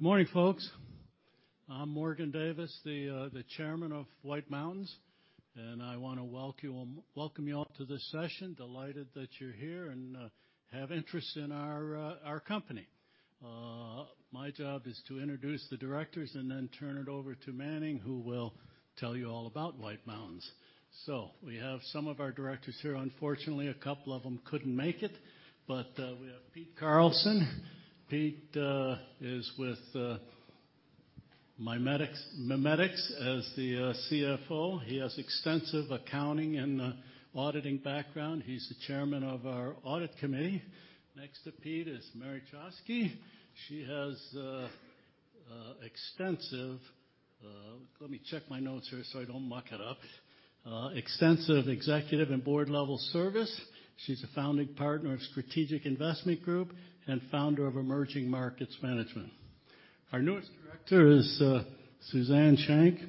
Morning, folks. I'm Morgan Davis, the Chairman of White Mountains, and I wanna welcome you all to this session. Delighted that you're here and have interest in our company. My job is to introduce the directors and then turn it over to Manning, who will tell you all about White Mountains. We have some of our directors here. Unfortunately, a couple of them couldn't make it, but we have Pete Carlson. Pete is with MiMedx as the CFO. He has extensive accounting and auditing background. He's the chairman of our audit committee. Next to Pete is Mary Choski. She has extensive. Let me check my notes here so I don't muck it up. Extensive executive and board level service. She's a founding partner of Strategic Investment Group and founder of Emerging Markets Management. Our newest director is Suzanne Shank,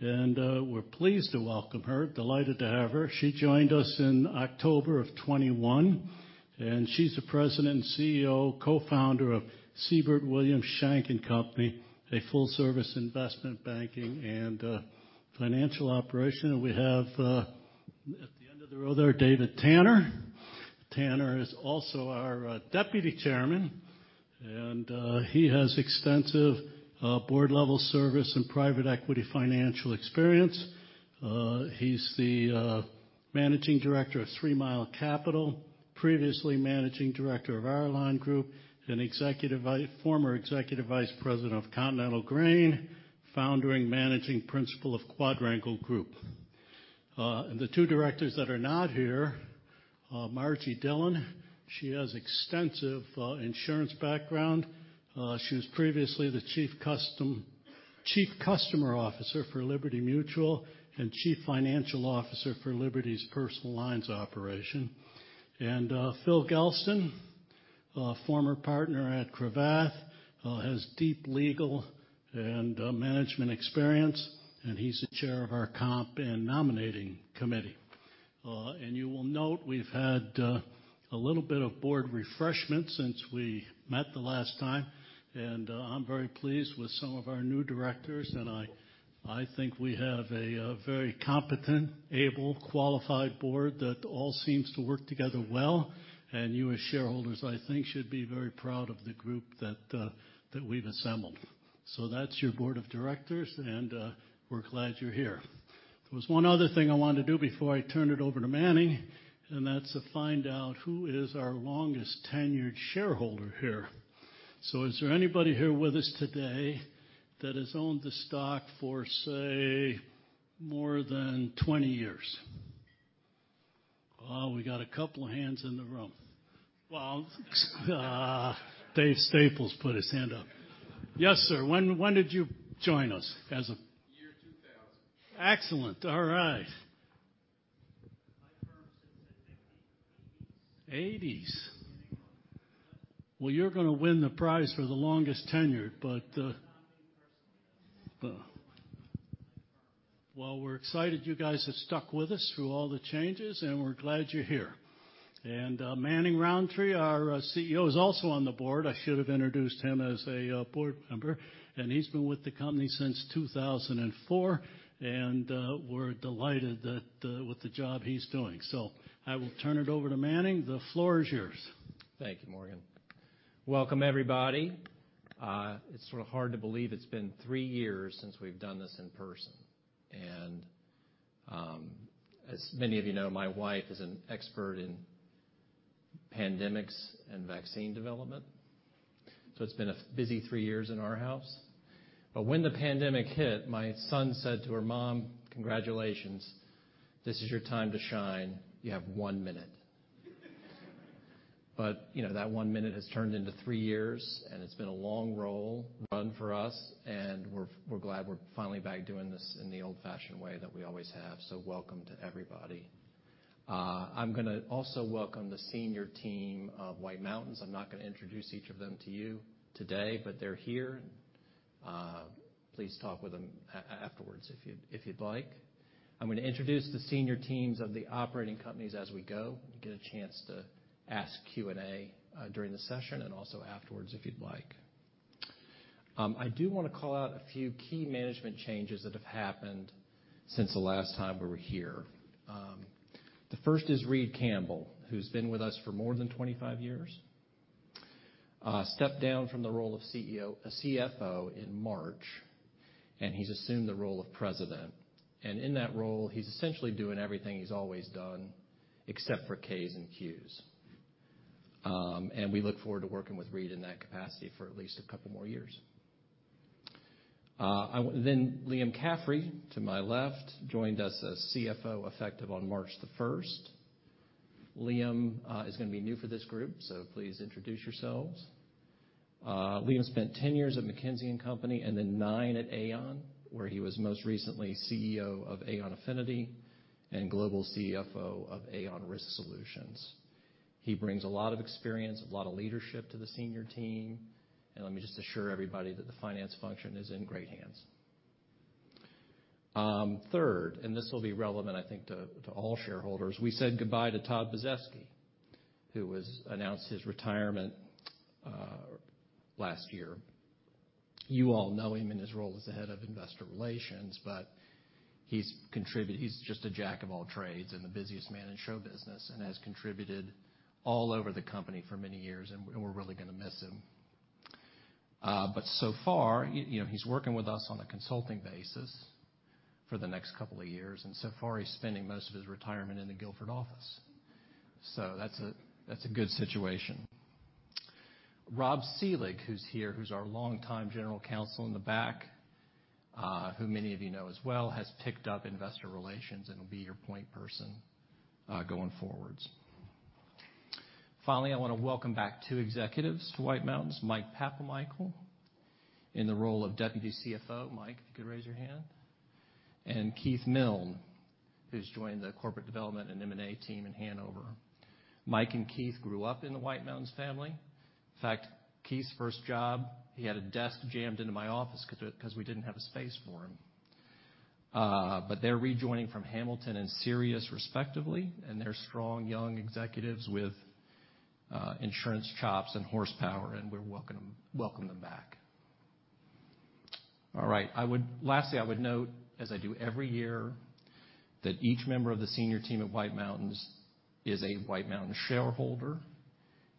and we're pleased to welcome her, delighted to have her. She joined us in October of 2021, and she's the President and CEO, co-founder of Siebert Williams Shank & Co., LLC, a full service investment banking and financial operation. We have at the end of the row there, David Tanner. Tanner is also our Deputy Chairman, and he has extensive board level service and private equity financial experience. He's the Managing Director of Three Mile Capital LLC, previously Managing Director of Quadrangle Group LLC and former Executive Vice President of Continental Grain Company, founder and managing principal of Quadrangle Group LLC. The two directors that are not here, Margie Dillon, she has extensive insurance background. She was previously the Chief Customer Officer for Liberty Mutual and Chief Financial Officer for Liberty's Personal Lines operation. Phil Gelston, former partner at Cravath, has deep legal and management experience, and he's the chair of our comp and nominating committee. You will note we've had a little bit of board refreshment since we met the last time. I'm very pleased with some of our new directors, and I think we have a very competent, able, qualified board that all seems to work together well. You as shareholders, I think, should be very proud of the group that we've assembled. That's your board of directors, and we're glad you're here. There was one other thing I wanted to do before I turned it over to Manning, and that's to find out who is our longest tenured shareholder here. Is there anybody here with us today that has owned the stock for, say, more than 20 years? Oh, we got a couple of hands in the room. Well, Dave Staples put his hand up. Yes, sir. When did you join us as a- Year 2000. Excellent. All right. My firm since the 50's, 80's. Eighties. Well, you're gonna win the prize for the longest tenured, but, It's not me personally. Well. It's my firm. Well, we're excited you guys have stuck with us through all the changes, and we're glad you're here. Manning Rountree, our CEO, is also on the board. I should have introduced him as a board member, and he's been with the company since 2004, and we're delighted with the job he's doing. I will turn it over to Manning. The floor is yours. Thank you, Morgan. Welcome, everybody. It's sort of hard to believe it's been three years since we've done this in person. As many of you know, my wife is an expert in pandemics and vaccine development, so it's been a busy three years in our house. When the pandemic hit, my son said to her, "Mom, congratulations. This is your time to shine. You have one minute." You know, that one minute has turned into three years, and it's been a long run for us, and we're glad we're finally back doing this in the old-fashioned way that we always have. Welcome to everybody. I'm gonna also welcome the senior team of White Mountains. I'm not gonna introduce each of them to you today, but they're here. Please talk with them afterwards if you'd like. I'm gonna introduce the senior teams of the operating companies as we go. You get a chance to ask Q&A during the session and also afterwards if you'd like. I do wanna call out a few key management changes that have happened since the last time we were here. The first is Reid Campbell, who's been with us for more than 25 years, stepped down from the role of CFO in March, and he's assumed the role of president. In that role, he's essentially doing everything he's always done, except for K's and Q's. We look forward to working with Reid in that capacity for at least a couple more years. Liam Caffrey, to my left, joined us as CFO effective on March 1. Liam is gonna be new for this group, so please introduce yourselves. Liam spent 10 years at McKinsey & Company and then nine at Aon, where he was most recently CEO of Aon Affinity and Global CFO of Aon Risk Solutions. He brings a lot of experience, a lot of leadership to the senior team. Let me just assure everybody that the finance function is in great hands. Third, this will be relevant, I think, to all shareholders, we said goodbye to Todd Pozefsky, who has announced his retirement last year. You all know him in his role as the head of investor relations, but he's just a jack of all trades and the busiest man in show business, and has contributed all over the company for many years, and we're really gonna miss him. So far, you know, he's working with us on a consulting basis for the next couple of years, and so far he's spending most of his retirement in the Guilford office. That's a good situation. Rob Seelig, who's here, who's our longtime general counsel in the back, who many of you know as well, has picked up investor relations and will be your point person going forwards. Finally, I wanna welcome back two executives to White Mountains, Mike Papamichael, in the role of Deputy CFO. Mike, if you could raise your hand. Keith Milne, who's joined the corporate development and M&A team in Hanover. Mike and Keith grew up in the White Mountains family. In fact, Keith's first job, he had a desk jammed into my office 'cause we didn't have a space for him. They're rejoining from Hamilton and Sirius respectively, and they're strong young executives with insurance chops and horsepower, and we welcome them back. All right. Lastly, I would note, as I do every year, that each member of the senior team at White Mountains is a White Mountains shareholder,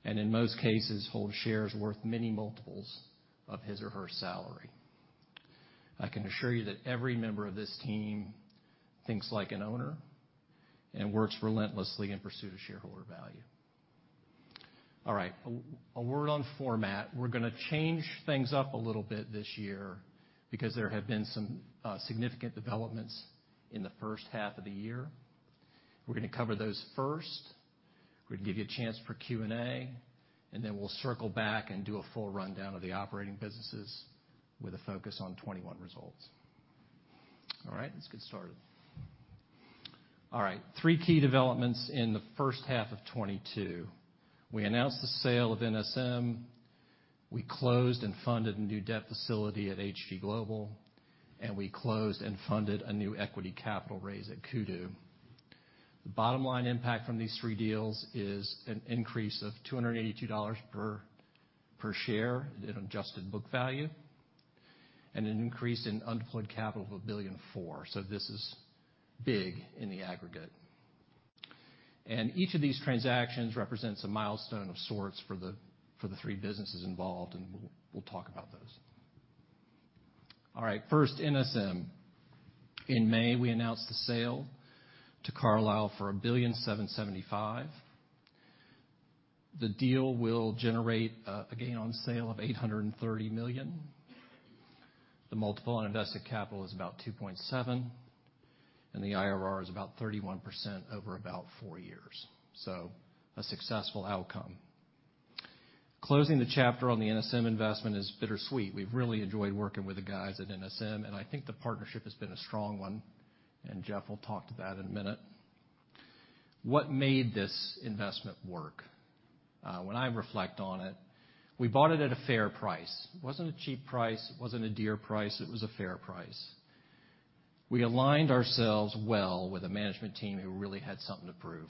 and in most cases, hold shares worth many multiples of his or her salary. I can assure you that every member of this team thinks like an owner and works relentlessly in pursuit of shareholder value. All right. A word on format. We're gonna change things up a little bit this year because there have been some significant developments in the first half of the year. We're gonna cover those first. We're gonna give you a chance for Q&A, and then we'll circle back and do a full rundown of the operating businesses with a focus on 2021 results. All right. Let's get started. All right. Three key developments in the first half of 2022. We announced the sale of NSM. We closed and funded a new debt facility at HG Global, and we closed and funded a new equity capital raise at Kudu. The bottom line impact from these three deals is an increase of $282 per share in adjusted book value and an increase in undeployed capital of $1.004 billion. This is big in the aggregate. Each of these transactions represents a milestone of sorts for the three businesses involved, and we'll talk about those. All right. First, NSM. In May, we announced the sale to Carlyle for $1.775 billion. The deal will generate a gain on sale of $830 million. The multiple on invested capital is about 2.7, and the IRR is about 31% over about four years. A successful outcome. Closing the chapter on the NSM investment is bittersweet. We've really enjoyed working with the guys at NSM, and I think the partnership has been a strong one, and Geof will talk to that in a minute. What made this investment work? When I reflect on it, we bought it at a fair price. It wasn't a cheap price, it wasn't a dear price, it was a fair price. We aligned ourselves well with a management team who really had something to prove.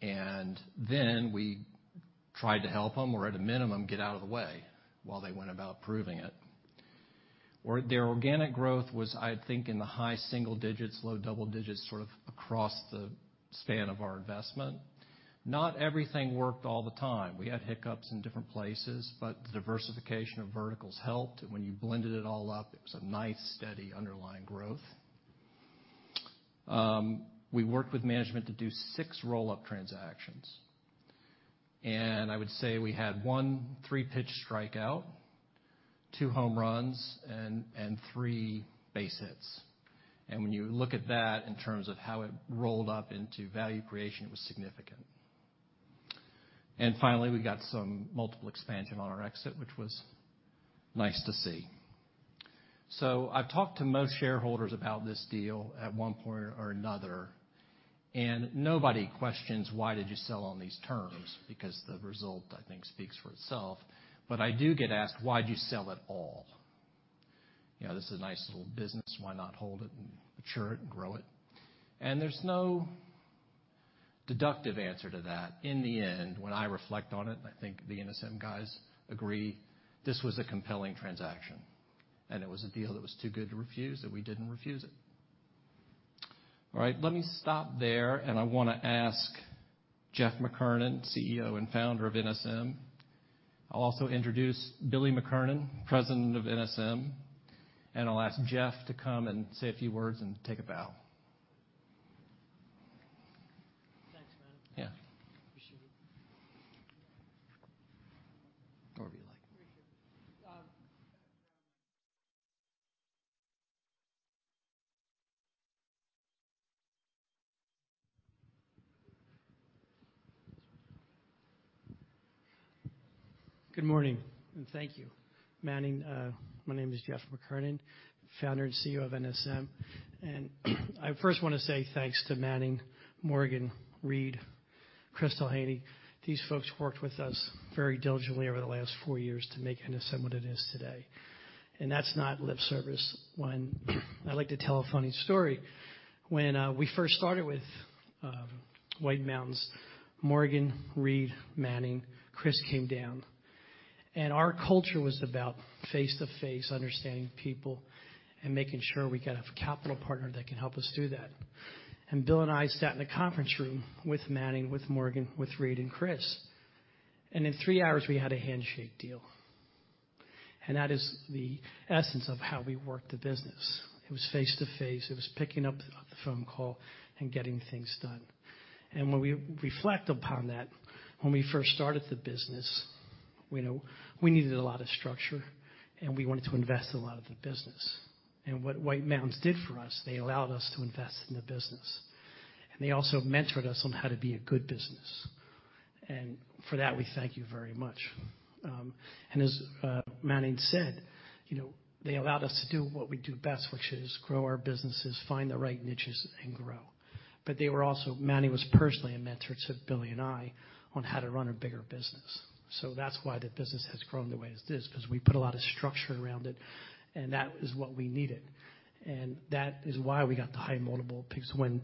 Then we tried to help them or at a minimum, get out of the way while they went about proving it, or their organic growth was, I think, in the high single digits, low double digits, sort of across the span of our investment. Not everything worked all the time. We had hiccups in different places, but the diversification of verticals helped. When you blended it all up, it was a nice, steady underlying growth. We worked with management to do six roll-up transactions. I would say we had one three-pitch strikeout, two home runs and three base hits. When you look at that in terms of how it rolled up into value creation, it was significant. Finally, we got some multiple expansion on our exit, which was nice to see. I've talked to most shareholders about this deal at one point or another, and nobody questions, "Why did you sell on these terms?" Because the result, I think, speaks for itself. I do get asked, "Why'd you sell at all? You know, this is a nice little business. Why not hold it and mature it and grow it?" There's no deductive answer to that. In the end, when I reflect on it, I think the NSM guys agree this was a compelling transaction, and it was a deal that was too good to refuse, and we didn't refuse it. All right. Let me stop there, and I wanna ask Geof McKernan, CEO and Founder of NSM. I'll also introduce Bill McKernan, President of NSM, and I'll ask Geof to come and say a few words and take a bow. Thanks, man. Yeah. Appreciate it. Wherever you like. Good morning, thank you. Manning, my name is Geof McKernan, founder and CEO of NSM. I first wanna say thanks to Manning and Morgan, Reid, Krystle Haney. These folks worked with us very diligently over the last four years to make NSM what it is today. That's not lip service. I like to tell a funny story. When we first started with White Mountains, Morgan, Reid, Manning, Chris came down, and our culture was about face-to-face, understanding people and making sure we got a capital partner that can help us do that. Bill and I sat in a conference room with Manning, with Morgan, with Reid and Chris, and in three hours we had a handshake deal. That is the essence of how we worked the business. It was face-to-face. It was picking up the phone call and getting things done. When we reflect upon that, when we first started the business, you know, we needed a lot of structure, and we wanted to invest a lot in the business. What White Mountains did for us, they allowed us to invest in the business, and they also mentored us on how to be a good business. For that, we thank you very much. As Manning said, you know, they allowed us to do what we do best, which is grow our businesses, find the right niches and grow. They were also, Manning was personally a mentor to Billy and I on how to run a bigger business. That's why the business has grown the way it is, because we put a lot of structure around it, and that is what we needed. That is why we got the high multiple, because when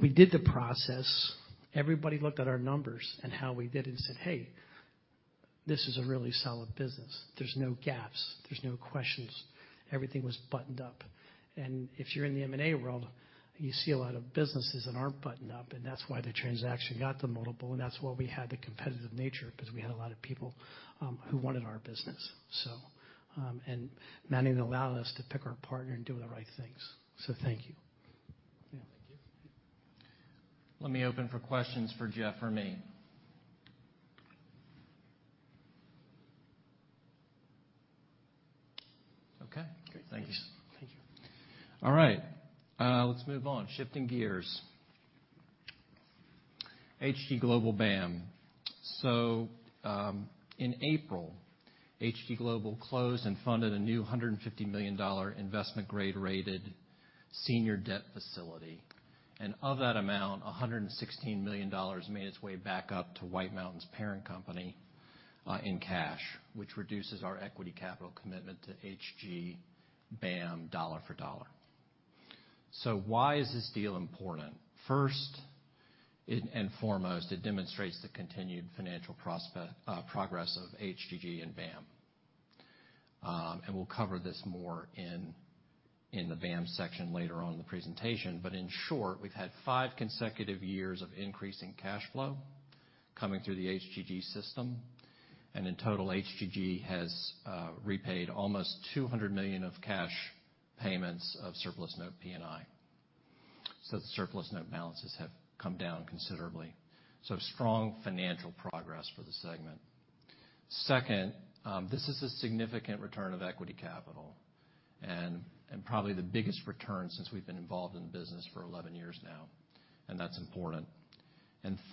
we did the process, everybody looked at our numbers and how we did and said, "Hey, this is a really solid business. There's no gaps. There's no questions." Everything was buttoned up. If you're in the M&A world, you see a lot of businesses that aren't buttoned up. That's why the transaction got the multiple, and that's why we had the competitive nature, because we had a lot of people who wanted our business. Manning allowed us to pick our partner and do the right things. Thank you. Thank you. Let me open for questions for Geof or me. Okay, great. Thank you. Thank you. All right, let's move on. Shifting gears. HG Global BAM. In April, HG Global closed and funded a new $150 million investment grade rated senior debt facility. Of that amount, $116 million made its way back up to White Mountains' parent company in cash, which reduces our equity capital commitment to HG BAM dollar for dollar. Why is this deal important? First and foremost, it demonstrates the continued financial progress of HGG and BAM. We'll cover this more in the BAM section later on in the presentation. In short, we've had five consecutive years of increasing cash flow coming through the HGG system. In total, HGG has repaid almost $200 million of cash payments of surplus note P&I. The surplus note balances have come down considerably. Strong financial progress for the segment. Second, this is a significant return of equity capital and probably the biggest return since we've been involved in the business for 11 years now, and that's important.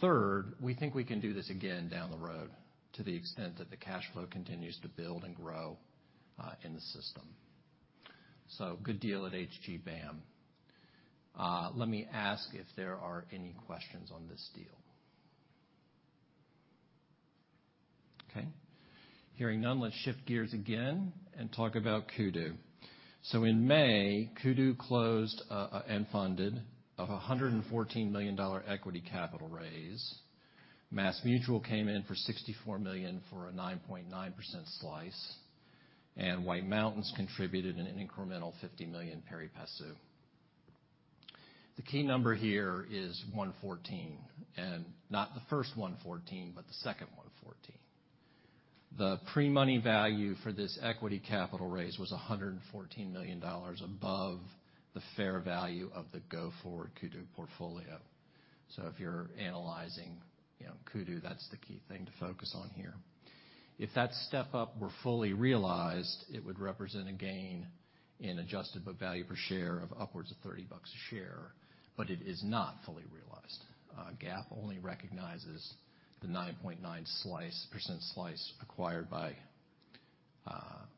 Third, we think we can do this again down the road to the extent that the cash flow continues to build and grow in the system. Good deal at HG BAM. Let me ask if there are any questions on this deal. Okay, hearing none, let's shift gears again and talk about Kudu. In May, Kudu closed and funded a $114 million equity capital raise. MassMutual came in for $64 million for a 9.9% slice, and White Mountains contributed an incremental $50 million pari passu. The key number here is 114, and not the first 114, but the second 114. The pre-money value for this equity capital raise was $114 million above the fair value of the go-forward Kudu portfolio. If you're analyzing, you know, Kudu, that's the key thing to focus on here. If that step up were fully realized, it would represent a gain in adjusted book value per share of upwards of $30 a share, but it is not fully realized. GAAP only recognizes the 9.9% slice acquired by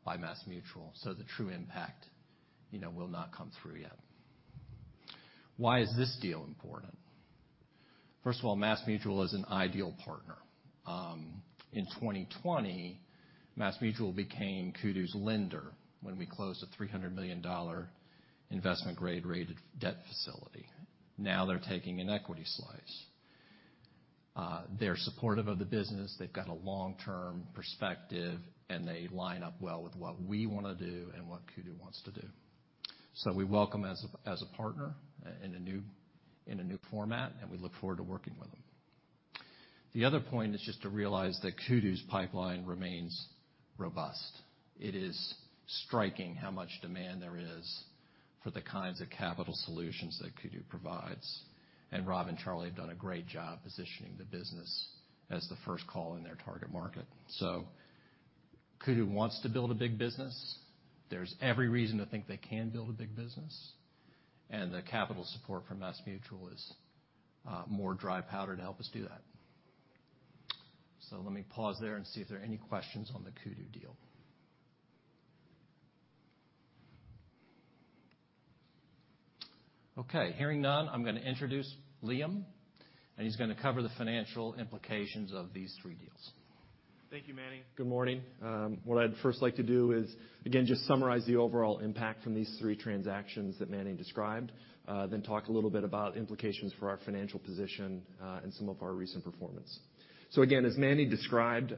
MassMutual. The true impact, you know, will not come through yet. Why is this deal important? First of all, MassMutual is an ideal partner. In 2020, MassMutual became Kudu's lender when we closed a $300 million investment grade rated debt facility. Now they're taking an equity slice. They're supportive of the business. They've got a long-term perspective, and they line up well with what we wanna do and what Kudu wants to do. We welcome as a partner in a new format, and we look forward to working with them. The other point is just to realize that Kudu's pipeline remains robust. It is striking how much demand there is for the kinds of capital solutions that Kudu provides. Rob and Charlie have done a great job positioning the business as the first call in their target market. Kudu wants to build a big business. There's every reason to think they can build a big business, and the capital support from MassMutual is more dry powder to help us do that. Let me pause there and see if there are any questions on the Kudu deal. Okay, hearing none, I'm gonna introduce Liam, and he's gonna cover the financial implications of these three deals. Thank you, Manning. Good morning. What I'd first like to do is, again, just summarize the overall impact from these three transactions that Manning described, then talk a little bit about implications for our financial position, and some of our recent performance. Again, as Manning described,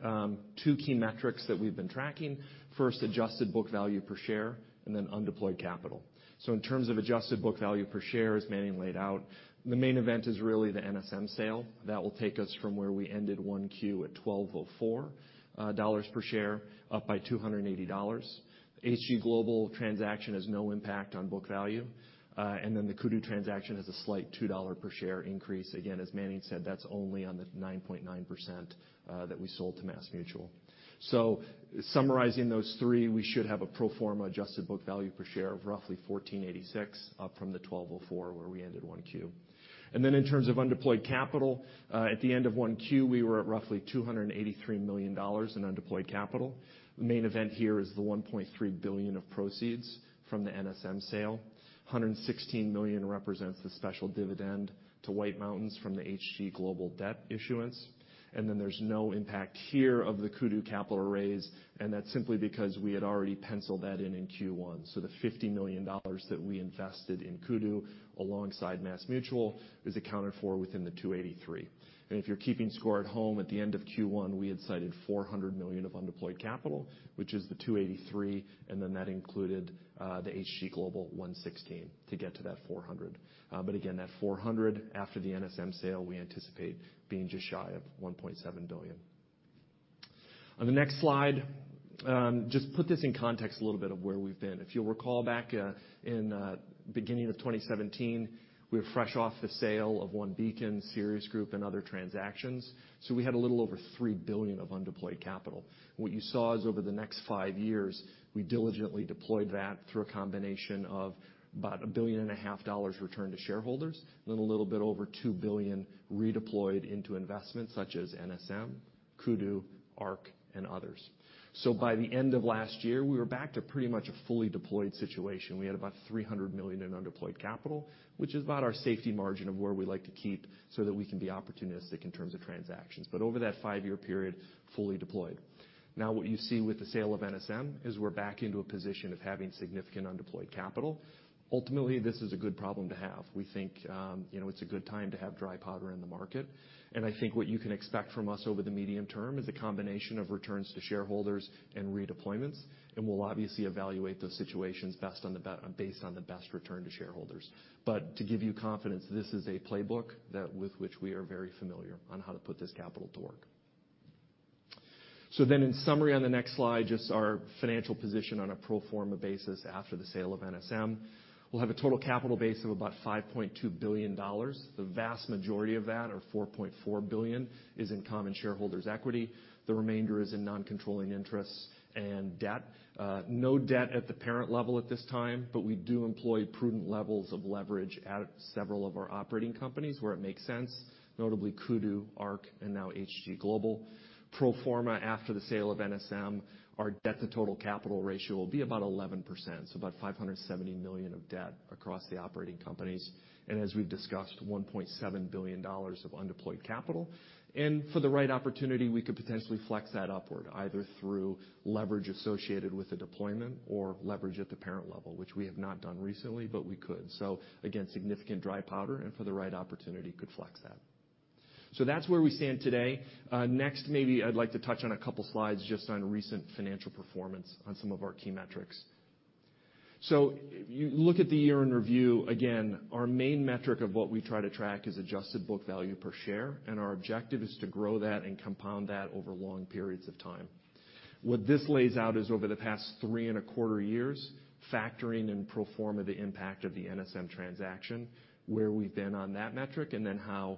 two key metrics that we've been tracking. First, adjusted book value per share and then undeployed capital. In terms of adjusted book value per share, as Manning laid out, the main event is really the NSM sale. That will take us from where we ended 1Q at $1,204 per share, up by $280. HG Global transaction has no impact on book value. And then the Kudu transaction has a slight $2 per share increase. Again, as Manning said, that's only on the 9.9% that we sold to MassMutual. Summarizing those three, we should have a pro forma adjusted book value per share of roughly $14.86, up from the $12.04, where we ended 1Q. In terms of undeployed capital, at the end of 1Q, we were at roughly $283 million in undeployed capital. The main event here is the $1.3 billion of proceeds from the NSM sale. $116 million represents the special dividend to White Mountains from the HG Global debt issuance. There's no impact here of the Kudu capital raise, and that's simply because we had already penciled that in in Q1. The $50 million that we invested in Kudu alongside MassMutual is accounted for within the $283 million. If you're keeping score at home, at the end of Q1, we had cited $400 million of undeployed capital, which is the $283 million, and then that included the HG Global $116 million to get to that $400 million. But again, that $400 million, after the NSM sale, we anticipate being just shy of $1.7 billion. On the next slide, just put this in context a little bit of where we've been. If you'll recall back, in the beginning of 2017, we were fresh off the sale of OneBeacon, Sirius Group, and other transactions, so we had a little over $3 billion of undeployed capital. What you saw is over the next 5 years, we diligently deployed that through a combination of about $1.5 billion returned to shareholders, then a little bit over $2 billion redeployed into investments such as NSM, Kudu, Ark, and others. By the end of last year, we were back to pretty much a fully deployed situation. We had about $300 million in undeployed capital, which is about our safety margin of where we like to keep so that we can be opportunistic in terms of transactions. Over that 5-year period, fully deployed. Now what you see with the sale of NSM is we're back into a position of having significant undeployed capital. Ultimately, this is a good problem to have. We think, you know, it's a good time to have dry powder in the market. I think what you can expect from us over the medium term is a combination of returns to shareholders and redeployments, and we'll obviously evaluate those situations based on the best return to shareholders. To give you confidence, this is a playbook with which we are very familiar on how to put this capital to work. In summary on the next slide, just our financial position on a pro forma basis after the sale of NSM. We'll have a total capital base of about $5.2 billion. The vast majority of that, or $4.4 billion, is in common shareholders' equity. The remainder is in non-controlling interests and debt. No debt at the parent level at this time, but we do employ prudent levels of leverage at several of our operating companies where it makes sense, notably Kudu, Ark, and now HG Global. Pro forma, after the sale of NSM, our debt-to-total capital ratio will be about 11%, so about $570 million of debt across the operating companies. As we've discussed, $1.7 billion of undeployed capital. For the right opportunity, we could potentially flex that upward, either through leverage associated with the deployment or leverage at the parent level, which we have not done recently, but we could. Again, significant dry powder and for the right opportunity could flex that. That's where we stand today. Next maybe I'd like to touch on a couple slides just on recent financial performance on some of our key metrics. You look at the year in review, again, our main metric of what we try to track is adjusted book value per share, and our objective is to grow that and compound that over long periods of time. What this lays out is over the past 3.25 years, factoring in pro forma the impact of the NSM transaction, where we've been on that metric, and then how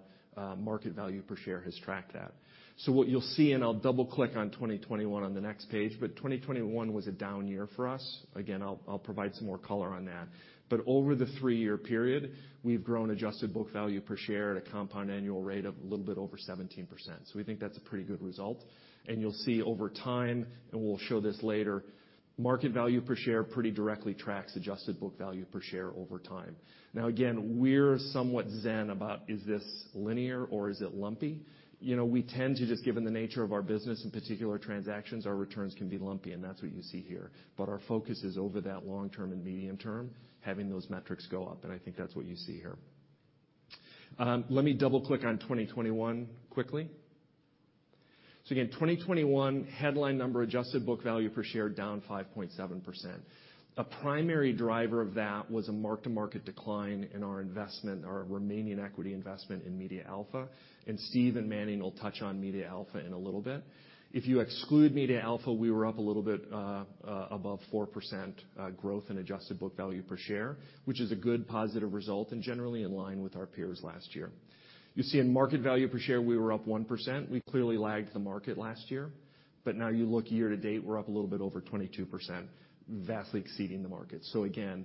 market value per share has tracked that. What you'll see, and I'll double-click on 2021 on the next page, but 2021 was a down year for us. Again, I'll provide some more color on that. But over the three-year period, we've grown adjusted book value per share at a compound annual rate of a little bit over 17%. We think that's a pretty good result. You'll see over time, and we'll show this later, market value per share pretty directly tracks adjusted book value per share over time. Now again, we're somewhat zen about is this linear or is it lumpy? You know, we tend to just given the nature of our business, in particular transactions, our returns can be lumpy, and that's what you see here. But our focus is over that long term and medium term, having those metrics go up, and I think that's what you see here. Let me double-click on 2021 quickly. Again, 2021 headline number, adjusted book value per share down 5.7%. A primary driver of that was a mark-to-market decline in our investment, our remaining equity investment in MediaAlpha. Steve and Manning will touch on MediaAlpha in a little bit. If you exclude MediaAlpha, we were up a little bit above 4% growth in adjusted book value per share, which is a good positive result and generally in line with our peers last year. You see in market value per share, we were up 1%. We clearly lagged the market last year. Now you look year to date, we're up a little bit over 22%, vastly exceeding the market. Again,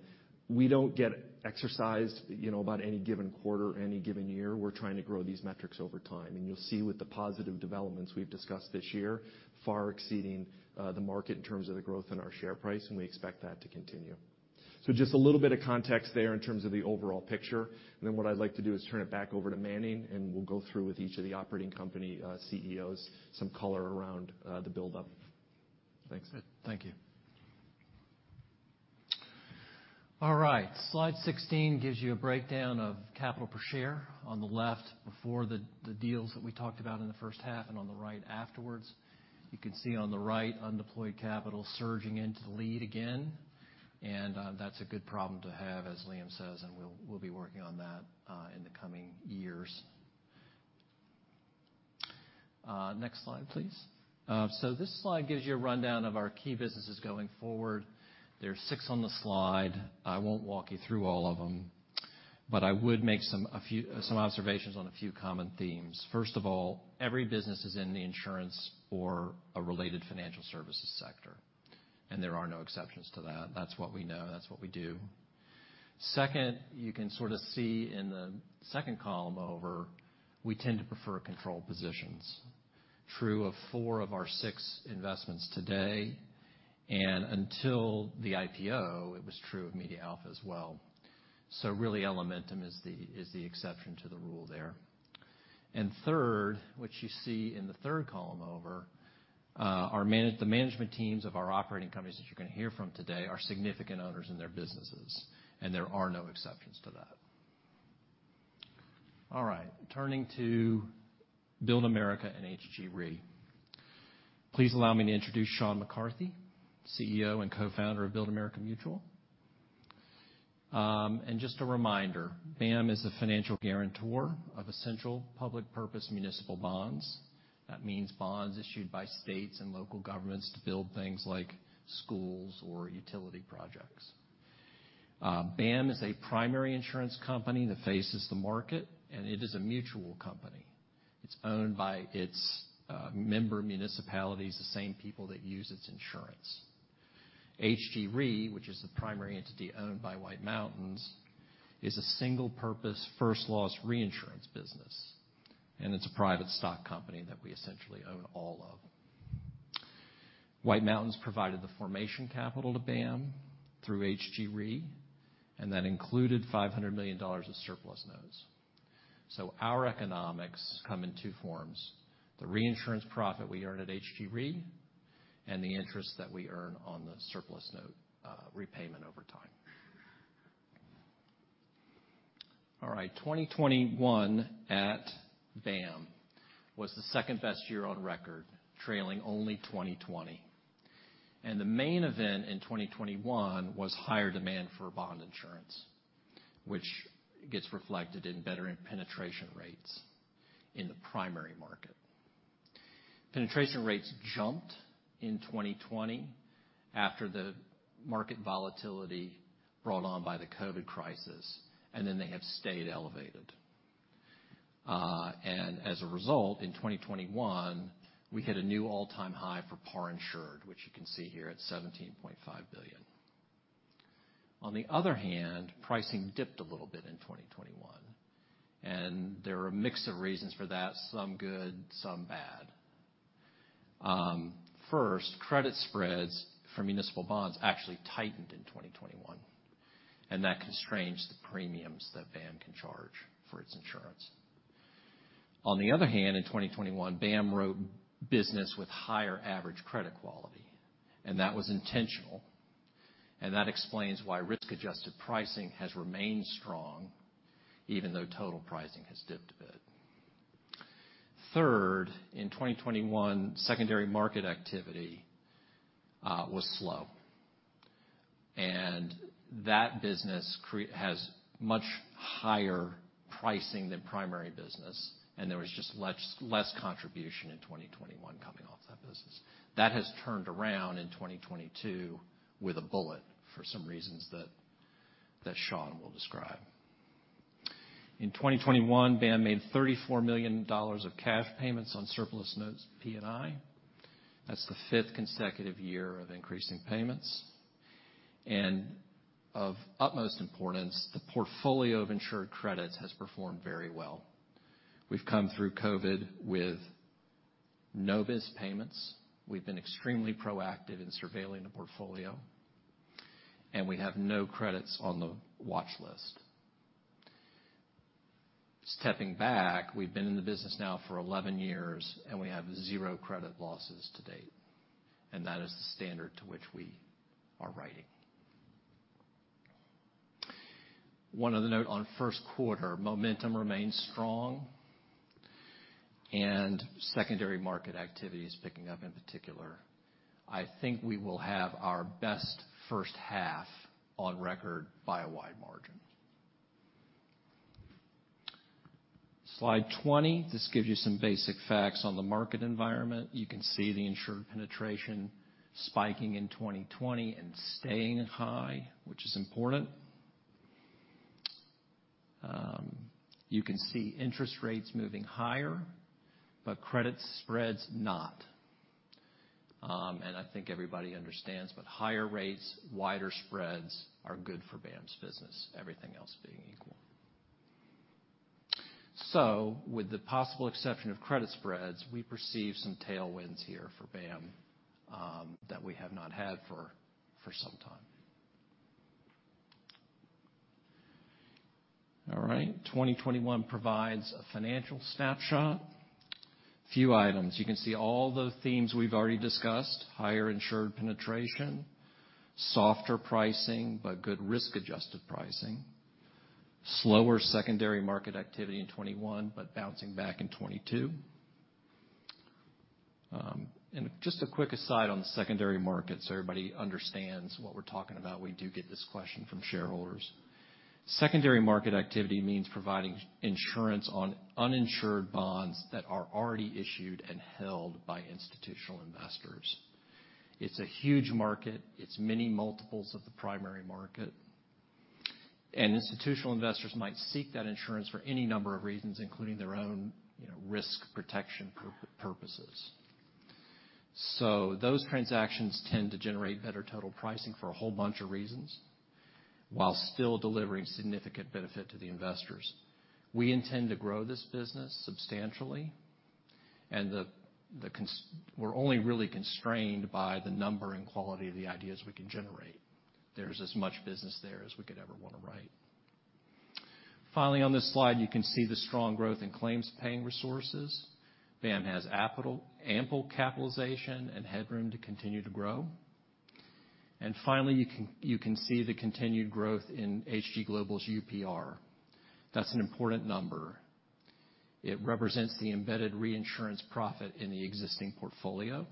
we don't get exercised, you know, about any given quarter, any given year. We're trying to grow these metrics over time. You'll see with the positive developments we've discussed this year, far exceeding the market in terms of the growth in our share price, and we expect that to continue. Just a little bit of context there in terms of the overall picture. What I'd like to do is turn it back over to Manning, and we'll go through with each of the operating company CEOs, some color around the buildup. Thanks. Thank you. All right. Slide 16 gives you a breakdown of capital per share on the left before the deals that we talked about in the first half, and on the right afterwards. You can see on the right, undeployed capital surging into the lead again. That's a good problem to have, as Liam says, and we'll be working on that in the coming years. Next slide, please. This slide gives you a rundown of our key businesses going forward. There's 6 on the slide. I won't walk you through all of them, but I would make some observations on a few common themes. First of all, every business is in the insurance or a related financial services sector, and there are no exceptions to that. That's what we know. That's what we do. Second, you can sorta see in the second column over, we tend to prefer controlled positions. True of four of our six investments today, and until the IPO, it was true of MediaAlpha as well. Really, Elementum is the exception to the rule there. Third, which you see in the third column over, our management teams of our operating companies that you're gonna hear from today are significant owners in their businesses, and there are no exceptions to that. All right, turning to Build America Mutual and HG Re Ltd. Please allow me to introduce Seán McCarthy, CEO and co-founder of Build America Mutual. And just a reminder, BAM is a financial guarantor of essential public purpose municipal bonds. That means bonds issued by states and local governments to build things like schools or utility projects. BAM is a primary insurance company that faces the market, and it is a mutual company. It's owned by its member municipalities, the same people that use its insurance. HG Re, which is the primary entity owned by White Mountains, is a single-purpose, first loss reinsurance business, and it's a private stock company that we essentially own all of. White Mountains provided the formation capital to BAM through HG Re, and that included $500 million of surplus notes. Our economics come in two forms, the reinsurance profit we earn at HG Re and the interest that we earn on the surplus note repayment over time. 2021 at BAM was the second-best year on record, trailing only 2020. The main event in 2021 was higher demand for bond insurance, which gets reflected in better penetration rates in the primary market. Penetration rates jumped in 2020 after the market volatility brought on by the COVID crisis, and then they have stayed elevated. And as a result, in 2021, we hit a new all-time high for par insured, which you can see here at $17.5 billion. On the other hand, pricing dipped a little bit in 2021, and there are a mix of reasons for that, some good, some bad. First, credit spreads for municipal bonds actually tightened in 2021, and that constrains the premiums that BAM can charge for its insurance. On the other hand, in 2021, BAM wrote business with higher average credit quality, and that was intentional, and that explains why risk-adjusted pricing has remained strong even though total pricing has dipped a bit. Third, in 2021, secondary market activity was slow. That business has much higher pricing than primary business, and there was just less contribution in 2021 coming off that business. That has turned around in 2022 with a bullet for some reasons that Seán will describe. In 2021, BAM made $34 million of cash payments on surplus notes P&I. That's the fifth consecutive year of increasing payments. Of utmost importance, the portfolio of insured credits has performed very well. We've come through COVID with no biz payments. We've been extremely proactive in surveilling the portfolio, and we have no credits on the watch list. Stepping back, we've been in the business now for 11 years, and we have zero credit losses to date, and that is the standard to which we are writing. One other note on first quarter, momentum remains strong and secondary market activity is picking up in particular. I think we will have our best first half on record by a wide margin. Slide 20. This gives you some basic facts on the market environment. You can see the insured penetration spiking in 2020 and staying high, which is important. You can see interest rates moving higher, but credit spreads not. I think everybody understands, but higher rates, wider spreads are good for BAM's business, everything else being equal. With the possible exception of credit spreads, we perceive some tailwinds here for BAM, that we have not had for some time. All right, 2021 provides a financial snapshot. Few items. You can see all the themes we've already discussed, higher insured penetration, softer pricing, but good risk-adjusted pricing, slower secondary market activity in 2021, but bouncing back in 2022. Just a quick aside on the secondary market so everybody understands what we're talking about. We do get this question from shareholders. Secondary market activity means providing insurance on uninsured bonds that are already issued and held by institutional investors. It's a huge market. It's many multiples of the primary market. Institutional investors might seek that insurance for any number of reasons, including their own, you know, risk protection purposes. Those transactions tend to generate better total pricing for a whole bunch of reasons, while still delivering significant benefit to the investors. We intend to grow this business substantially, and the cons. We're only really constrained by the number and quality of the ideas we can generate. There's as much business there as we could ever wanna write. Finally, on this slide, you can see the strong growth in claims-paying resources. BAM has ample capitalization and headroom to continue to grow. Finally, you can see the continued growth in HG Global's UPR. That's an important number. It represents the embedded reinsurance profit in the existing portfolio.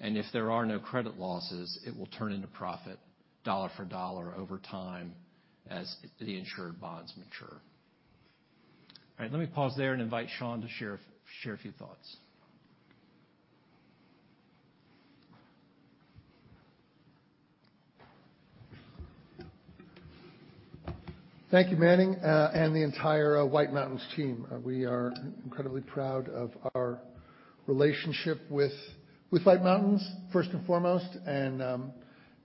If there are no credit losses, it will turn into profit dollar for dollar over time as the insured bonds mature. All right, let me pause there and invite Seán to share a few thoughts. Thank you, Manning, and the entire White Mountains team. We are incredibly proud of our relationship with White Mountains, first and foremost, and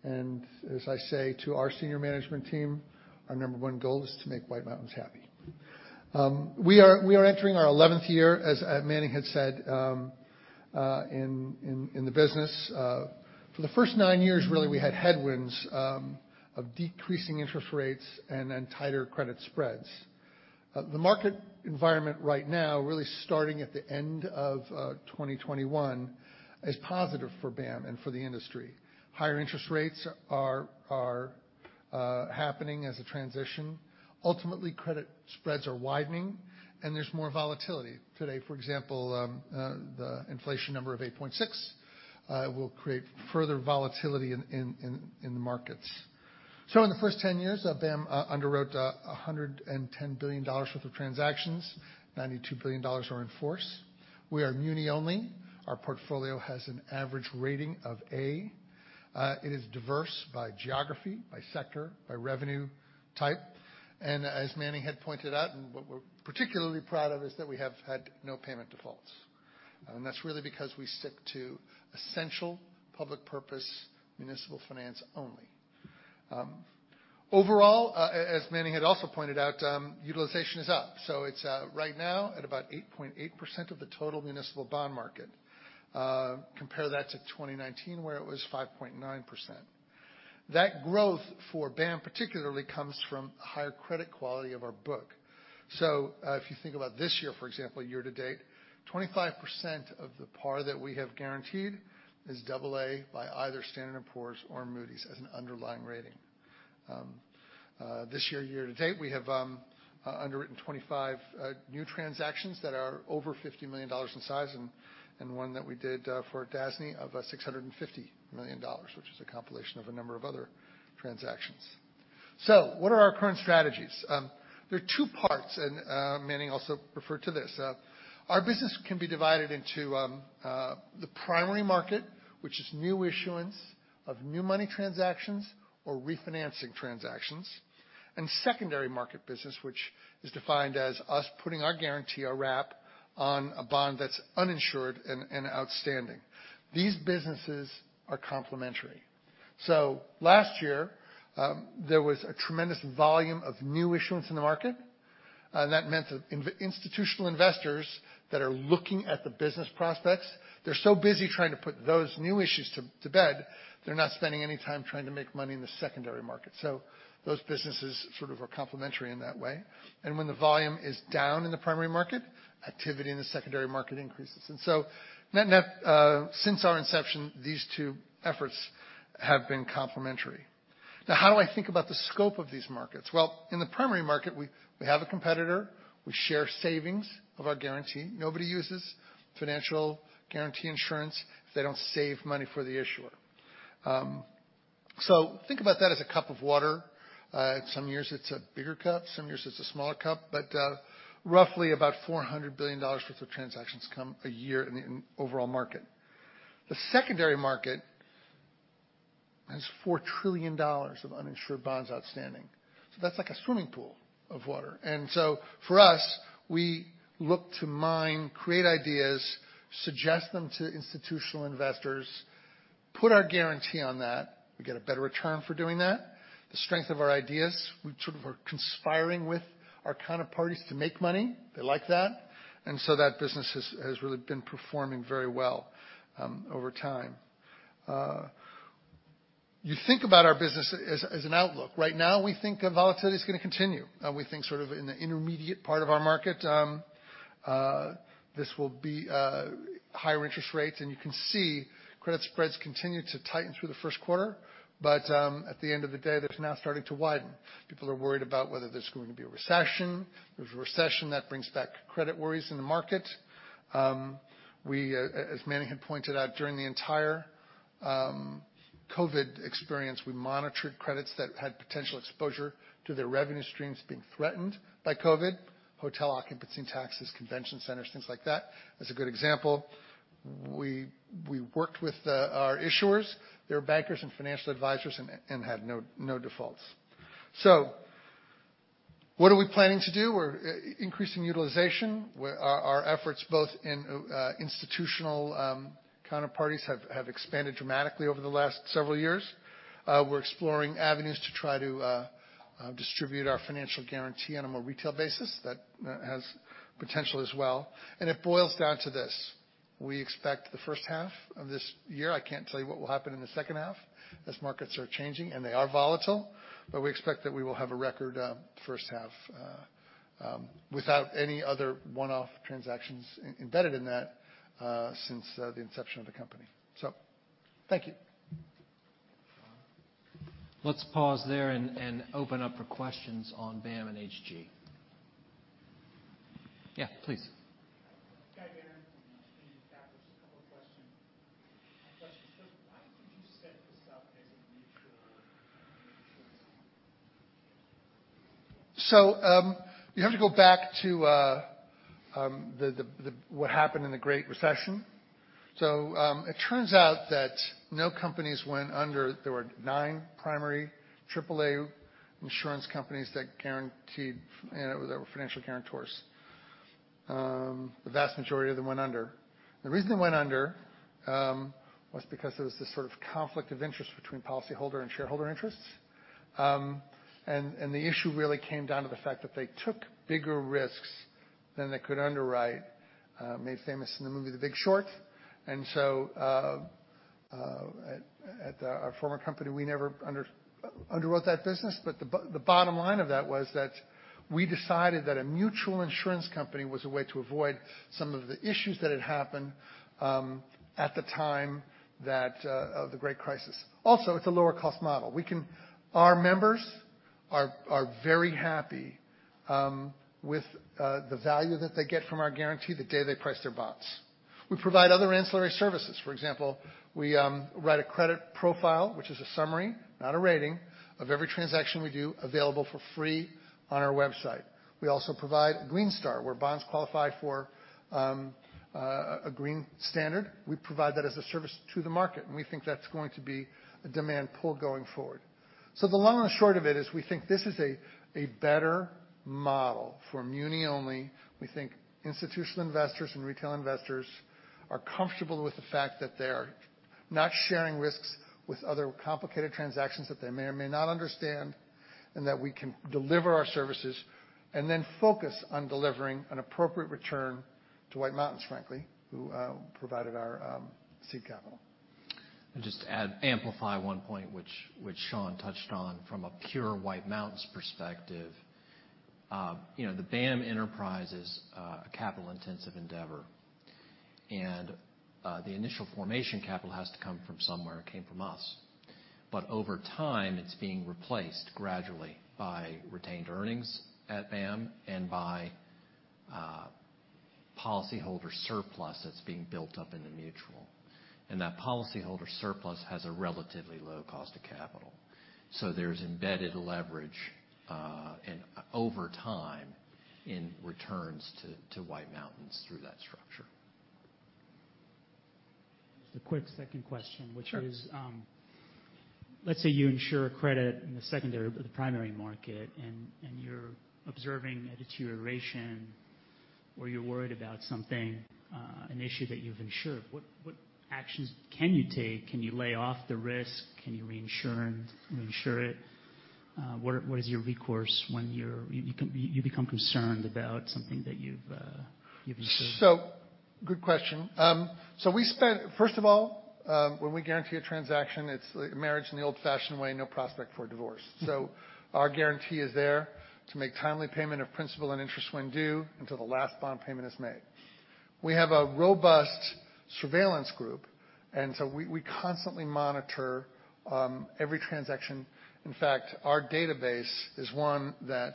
as I say to our senior management team, our number one goal is to make White Mountains happy. We are entering our eleventh year, as Manning had said, in the business. For the first nine years, really, we had headwinds of decreasing interest rates and then tighter credit spreads. The market environment right now, really starting at the end of 2021, is positive for BAM and for the industry. Higher interest rates are happening as a transition. Ultimately, credit spreads are widening, and there's more volatility. Today, for example, the inflation number of 8.6 will create further volatility in the markets. In the first 10 years of BAM, underwrote a hundred and ten billion dollars worth of transactions, $92 billion are in force. We are muni only. Our portfolio has an average rating of A. It is diverse by geography, by sector, by revenue type. As Manning had pointed out, and what we're particularly proud of, is that we have had no payment defaults. That's really because we stick to essential public purpose municipal finance only. Overall, as Manning had also pointed out, utilization is up. It's right now at about 8.8% of the total municipal bond market. Compare that to 2019, where it was 5.9%. That growth for BAM particularly comes from higher credit quality of our book. If you think about this year, for example, year to date, 25% of the par that we have guaranteed is double-A by either Standard & Poor's or Moody's as an underlying rating. This year to date, we have underwritten 25 new transactions that are over $50 million in size and one that we did for DASNY of $650 million, which is a compilation of a number of other transactions. What are our current strategies? There are two parts and Manning also referred to this. Our business can be divided into the primary market, which is new issuance of new money transactions or refinancing transactions, and secondary market business, which is defined as us putting our guarantee or wrap on a bond that's uninsured and outstanding. These businesses are complementary. Last year, there was a tremendous volume of new issuance in the market, and that meant that institutional investors that are looking at the business prospects, they're so busy trying to put those new issues to bed, they're not spending any time trying to make money in the secondary market. Those businesses sort of are complementary in that way. When the volume is down in the primary market, activity in the secondary market increases. Net net, since our inception, these two efforts have been complementary. Now, how do I think about the scope of these markets? Well, in the primary market, we have a competitor. We share savings of our guarantee. Nobody uses financial guarantee insurance if they don't save money for the issuer. Think about that as a cup of water. Some years it's a bigger cup, some years it's a smaller cup, but roughly about $400 billion worth of transactions come a year in the overall market. The secondary market has $4 trillion of uninsured bonds outstanding. That's like a swimming pool of water. For us, we look to mine, create ideas, suggest them to institutional investors. Put our guarantee on that. We get a better return for doing that. The strength of our ideas, we sort of are conspiring with our counterparties to make money. They like that. That business has really been performing very well over time. You think about our business as an outlook. Right now, we think that volatility is gonna continue, and we think sort of in the intermediate part of our market, this will be higher interest rates. You can see credit spreads continue to tighten through the first quarter, but at the end of the day, they're now starting to widen. People are worried about whether there's going to be a recession. There's a recession that brings back credit worries in the market. We, as Manning had pointed out during the entire COVID experience, we monitored credits that had potential exposure to their revenue streams being threatened by COVID, hotel occupancy and taxes, convention centers, things like that, as a good example. We worked with our issuers, their bankers and financial advisors, and had no defaults. What are we planning to do? We're increasing utilization. Our efforts, both in institutional counterparties have expanded dramatically over the last several years. We're exploring avenues to try to distribute our financial guarantee on a more retail basis that has potential as well. It boils down to this: We expect the first half of this year. I can't tell you what will happen in the second half, as markets are changing, and they are volatile, but we expect that we will have a record first half without any other one-off transactions embedded in that since the inception of the company. Thank you. Let's pause there and open up for questions on BAM and HG. Yeah, please. Guy Carpenter from Greenlight Capital Re. Just a couple of questions. Why did you set this up as a mutual insurance? You have to go back to what happened in the Great Recession. It turns out that no companies went under. There were nine primary triple-A insurance companies that guaranteed that were financial guarantors. The vast majority of them went under. The reason they went under was because there was this sort of conflict of interest between policyholder and shareholder interests. The issue really came down to the fact that they took bigger risks than they could underwrite, made famous in the movie The Big Short. At our former company, we never underwrote that business. The bottom line of that was that we decided that a mutual insurance company was a way to avoid some of the issues that had happened at the time of the great crisis. Also, it's a lower cost model. Our members are very happy with the value that they get from our guarantee the day they price their bonds. We provide other ancillary services. For example, we write a credit profile, which is a summary, not a rating, of every transaction we do, available for free on our website. We also provide Green Star, where bonds qualify for a green standard. We provide that as a service to the market, and we think that's going to be a demand pull going forward. The long and short of it is we think this is a better model for muni only. We think institutional investors and retail investors are comfortable with the fact that they are not sharing risks with other complicated transactions that they may or may not understand, and that we can deliver our services and then focus on delivering an appropriate return to White Mountains, frankly, who provided our seed capital. Just to add, amplify one point, which Seán touched on from a pure White Mountains perspective. You know, the BAM enterprise is a capital-intensive endeavor, and the initial formation capital has to come from somewhere. It came from us. But over time, it's being replaced gradually by retained earnings at BAM and by policyholder surplus that's being built up in the mutual. That policyholder surplus has a relatively low cost of capital. So there's embedded leverage, and over time in returns to White Mountains through that structure. Just a quick second question. Sure. Which is, let's say you insure credit in the secondary or the primary market and you're observing a deterioration, or you're worried about something, an issue that you've insured. What actions can you take? Can you lay off the risk? Can you reinsure it? What is your recourse when you become concerned about something that you've insured? Good question. First of all, when we guarantee a transaction, it's marriage in the old-fashioned way, no prospect for a divorce. Our guarantee is there to make timely payment of principal and interest when due until the last bond payment is made. We have a robust surveillance group, and we constantly monitor every transaction. In fact, our database is one that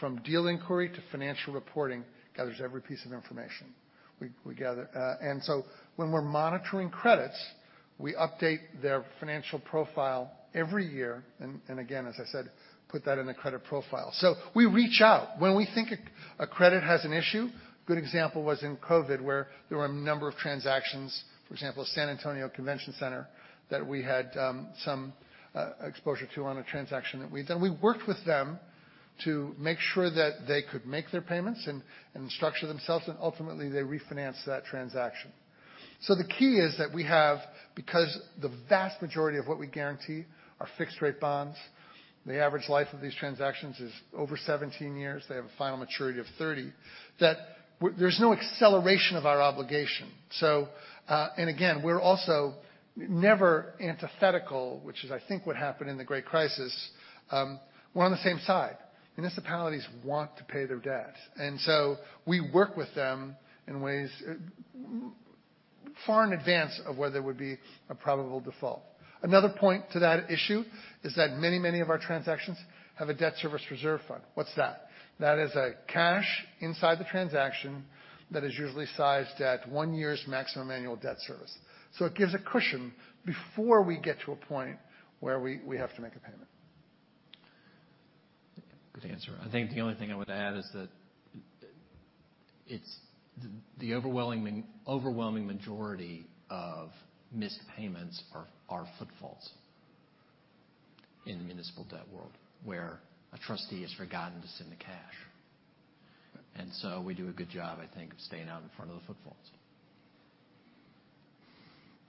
from deal inquiry to financial reporting, gathers every piece of information we gather. When we're monitoring credits, we update their financial profile every year, and again, as I said, put that in a credit profile. We reach out when we think a credit has an issue. Good example was in COVID, where there were a number of transactions, for example, San Antonio Convention Center, that we had some exposure to on a transaction that we've done. We worked with them to make sure that they could make their payments and structure themselves, and ultimately, they refinanced that transaction. The key is that we have, because the vast majority of what we guarantee are fixed rate bonds, the average life of these transactions is over 17 years, they have a final maturity of 30, that there's no acceleration of our obligation. Again, we're also never antithetical, which is, I think, what happened in the great crisis, we're on the same side. Municipalities want to pay their debt, and so we work with them in ways, far in advance of where there would be a probable default. Another point to that issue is that many, many of our transactions have a debt service reserve fund. What's that? That is a cash inside the transaction that is usually sized at one year's maximum annual debt service. It gives a cushion before we get to a point where we have to make a payment. Good answer. I think the only thing I would add is that it's the overwhelming majority of missed payments are foot faults in the municipal debt world, where a trustee has forgotten to send the cash. We do a good job, I think, of staying out in front of the foot faults.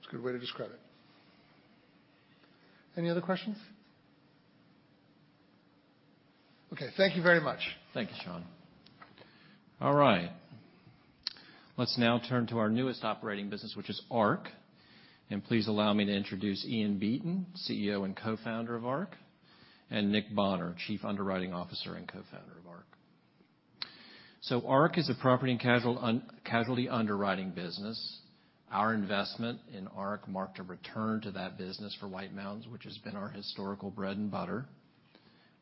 It's a good way to describe it. Any other questions? Okay. Thank you very much. Thank you, Seán. All right. Let's now turn to our newest operating business, which is Ark. Please allow me to introduce Ian Beaton, CEO and co-founder of Ark, and Nick Bonnar, Chief Underwriting Officer and co-founder of Ark. Ark is a property and casualty underwriting business. Our investment in Ark marked a return to that business for White Mountains, which has been our historical bread and butter.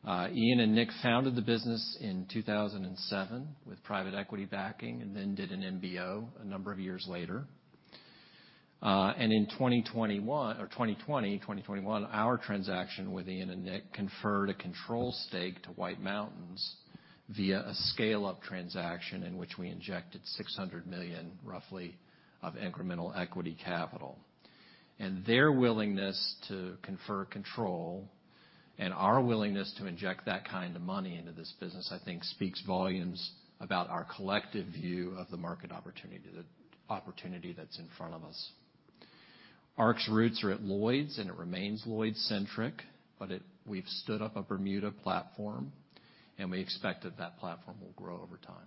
Ian and Nick founded the business in 2007 with private equity backing and then did an MBO a number of years later. In 2021, our transaction with Ian and Nick conferred a control stake to White Mountains via a scale-up transaction in which we injected roughly $600 million of incremental equity capital. Their willingness to confer control and our willingness to inject that kind of money into this business, I think, speaks volumes about our collective view of the market opportunity, the opportunity that's in front of us. Ark's roots are at Lloyd's, and it remains Lloyd-centric, but we've stood up a Bermuda platform, and we expect that platform will grow over time.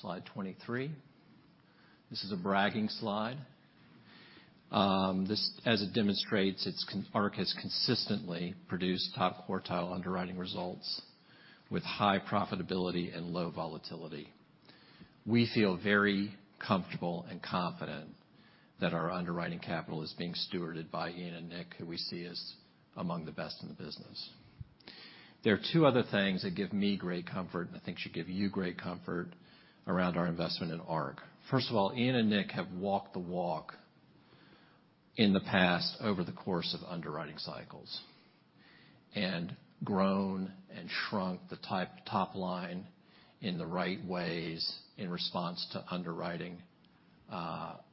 Slide 23. This is a bragging slide. This, as it demonstrates, Ark has consistently produced top quartile underwriting results with high profitability and low volatility. We feel very comfortable and confident that our underwriting capital is being stewarded by Ian and Nick, who we see as among the best in the business. There are two other things that give me great comfort, and I think should give you great comfort around our investment in Ark. First of all, Ian and Nick have walked the walk in the past over the course of underwriting cycles and grown and shrunk the top line in the right ways in response to underwriting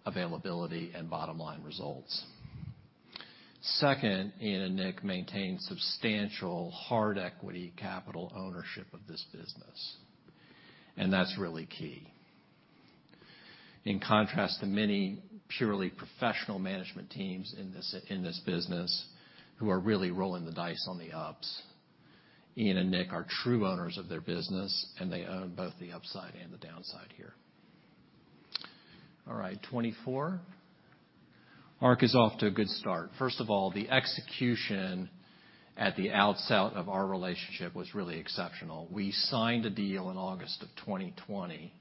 availability and bottom-line results. Second, Ian and Nick maintain substantial hard equity capital ownership of this business, and that's really key. In contrast to many purely professional management teams in this business who are really rolling the dice on the ups, Ian and Nick are true owners of their business, and they own both the upside and the downside here. All right, 2024. Ark is off to a good start. First of all, the execution at the outset of our relationship was really exceptional. We signed a deal in August of 2020.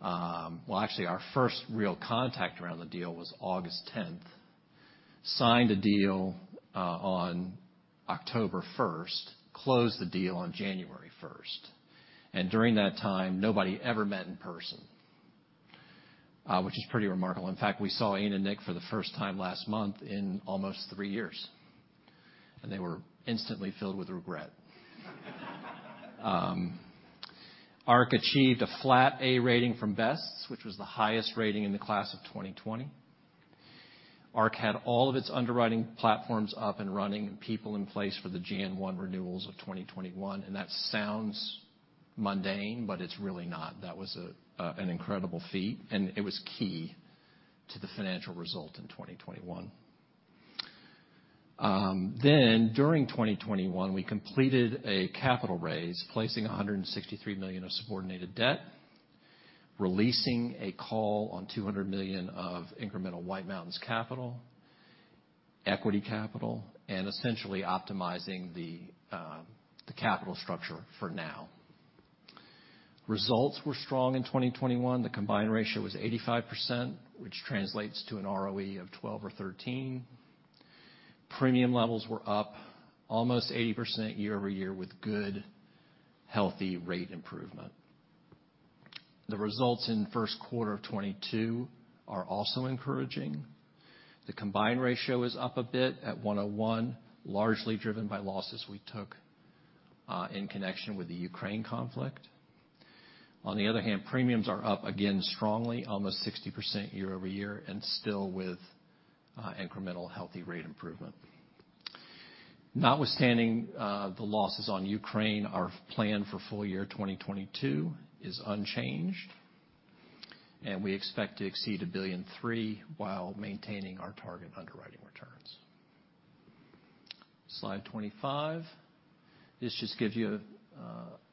Well, actually, our first real contact around the deal was August 10. Signed a deal on October first, closed the deal on January first. During that time, nobody ever met in person, which is pretty remarkable. In fact, we saw Ian and Nick for the first time last month in almost three years, and they were instantly filled with regret. Ark achieved a flat A rating from Best, which was the highest rating in the class of 2020. Ark had all of its underwriting platforms up and running and people in place for the 1/1 renewals of 2021, and that sounds mundane, but it's really not. That was an incredible feat, and it was key to the financial result in 2021. During 2021, we completed a capital raise, placing $163 million of subordinated debt, releasing a call on $200 million of incremental White Mountains capital, equity capital, and essentially optimizing the capital structure for now. Results were strong in 2021. The combined ratio was 85%, which translates to an ROE of 12 or 13. Premium levels were up almost 80% year-over-year with good, healthy rate improvement. The results in first quarter of 2022 are also encouraging. The combined ratio is up a bit at 101, largely driven by losses we took in connection with the Ukraine conflict. On the other hand, premiums are up again strongly, almost 60% year-over-year and still with incremental healthy rate improvement. Notwithstanding the losses on Ukraine, our plan for full year 2022 is unchanged, and we expect to exceed $1.3 billion while maintaining our target underwriting returns. Slide 25. This just gives you a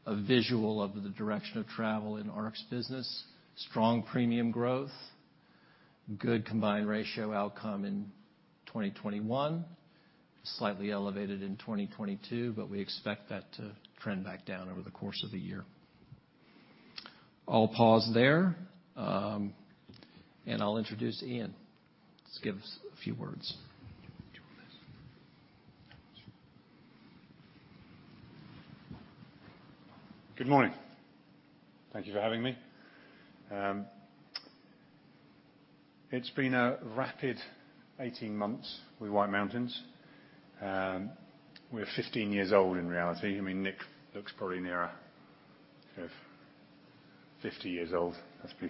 visual of the direction of travel in Ark's business. Strong premium growth, good combined ratio outcome in 2021. Slightly elevated in 2022, but we expect that to trend back down over the course of the year. I'll pause there, and I'll introduce Ian to give us a few words. Do you want this? Sure. Good morning. Thank you for having me. It's been a rapid 18 months with White Mountains. We're 15 years old in reality. I mean, Nick looks probably nearer 50 years old, let's be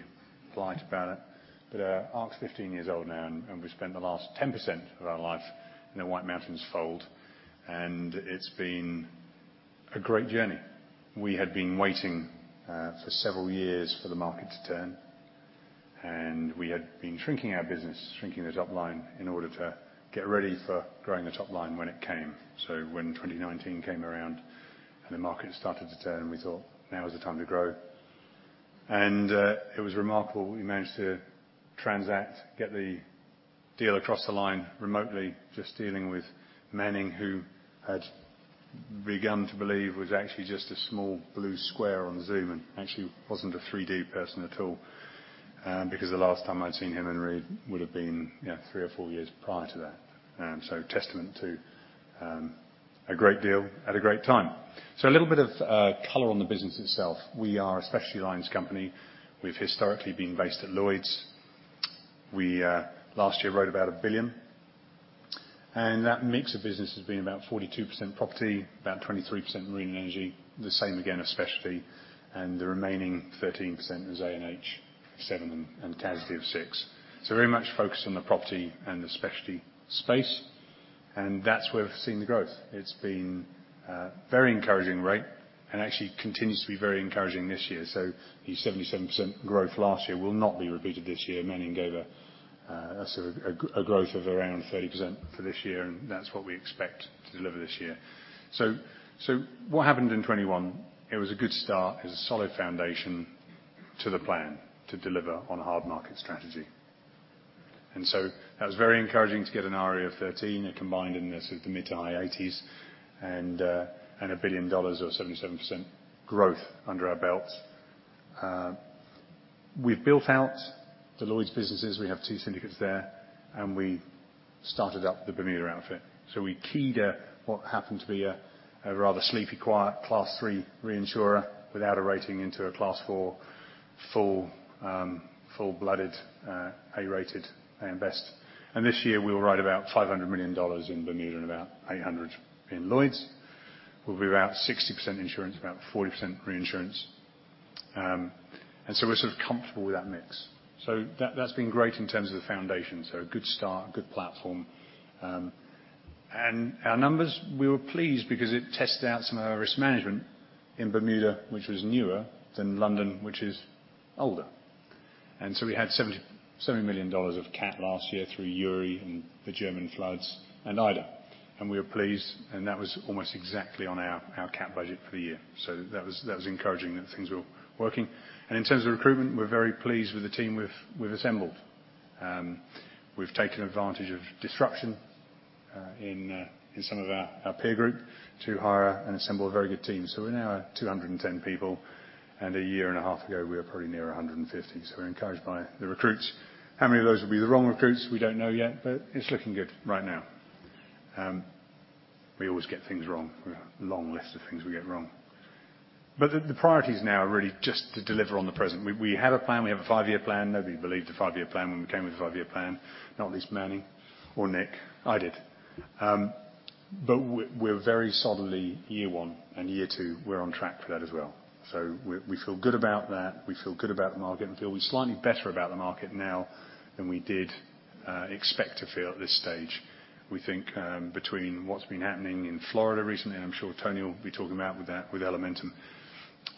polite about it. Ark's 15 years old now, and we've spent the last 10% of our life in the White Mountains fold, and it's been a great journey. We had been waiting for several years for the market to turn, and we had been shrinking our business, shrinking the top line in order to get ready for growing the top line when it came. When 2019 came around and the market started to turn, we thought now is the time to grow. It was remarkable, we managed to transact, get the deal across the line remotely, just dealing with Manning, who had begun to believe was actually just a small blue square on Zoom and actually wasn't a 3D person at all, because the last time I'd seen him and Reid would've been, you know, three or four years prior to that. Testament to a great deal at a great time. A little bit of color on the business itself. We are a specialty lines company. We've historically been based at Lloyd's. We last year wrote about $1 billion. That mix of business has been about 42% property, about 23% marine energy, the same again, specialty, and the remaining 13% is A&H, 7%, and casualty of 6%. Very much focused on the property and the specialty space, and that's where we've seen the growth. It's been a very encouraging rate and actually continues to be very encouraging this year. The 77% growth last year will not be repeated this year. Manning gave a sort of growth of around 30% for this year, and that's what we expect to deliver this year. What happened in 2021? It was a good start. It was a solid foundation to the plan to deliver on a hard market strategy. That was very encouraging to get a ROE of 13, a combined ratio in the mid- to high 80s and $1 billion or 77% growth under our belt. We've built out the Lloyd's businesses. We have 2 syndicates there, and we started up the Bermuda outfit. We keyed what happened to be a rather sleepy, quiet Class 3 reinsurer without a rating into a Class four full-blooded A-rated AM Best. This year, we'll write about $500 million in Bermuda and about $800 million in Lloyd's. We'll be about 60% insurance, about 40% reinsurance. We're sort of comfortable with that mix. That's been great in terms of the foundation. A good start, a good platform. Our numbers, we were pleased because it tested out some of our risk management in Bermuda, which was newer than London, which is older. We had $70 million of cat last year through Uri and the German floods and Ida. We were pleased, and that was almost exactly on our cat budget for the year. That was encouraging that things were working. In terms of recruitment, we're very pleased with the team we've assembled. We've taken advantage of disruption in some of our peer group to hire and assemble a very good team. We're now at 210 people, and a year and a half ago, we were probably near 150. We're encouraged by the recruits. How many of those will be the wrong recruits? We don't know yet, but it's looking good right now. We always get things wrong. We have a long list of things we get wrong. The priorities now are really just to deliver on the present. We had a plan. We have a five-year plan. Nobody believed a five-year plan when we came with a five-year plan, not least Manning or Nick. I did. We're very solidly year one, and year two, we're on track for that as well. We feel good about that. We feel good about the market and feel we're slightly better about the market now than we did expect to feel at this stage. We think between what's been happening in Florida recently, and I'm sure Tony will be talking about that with Elementum,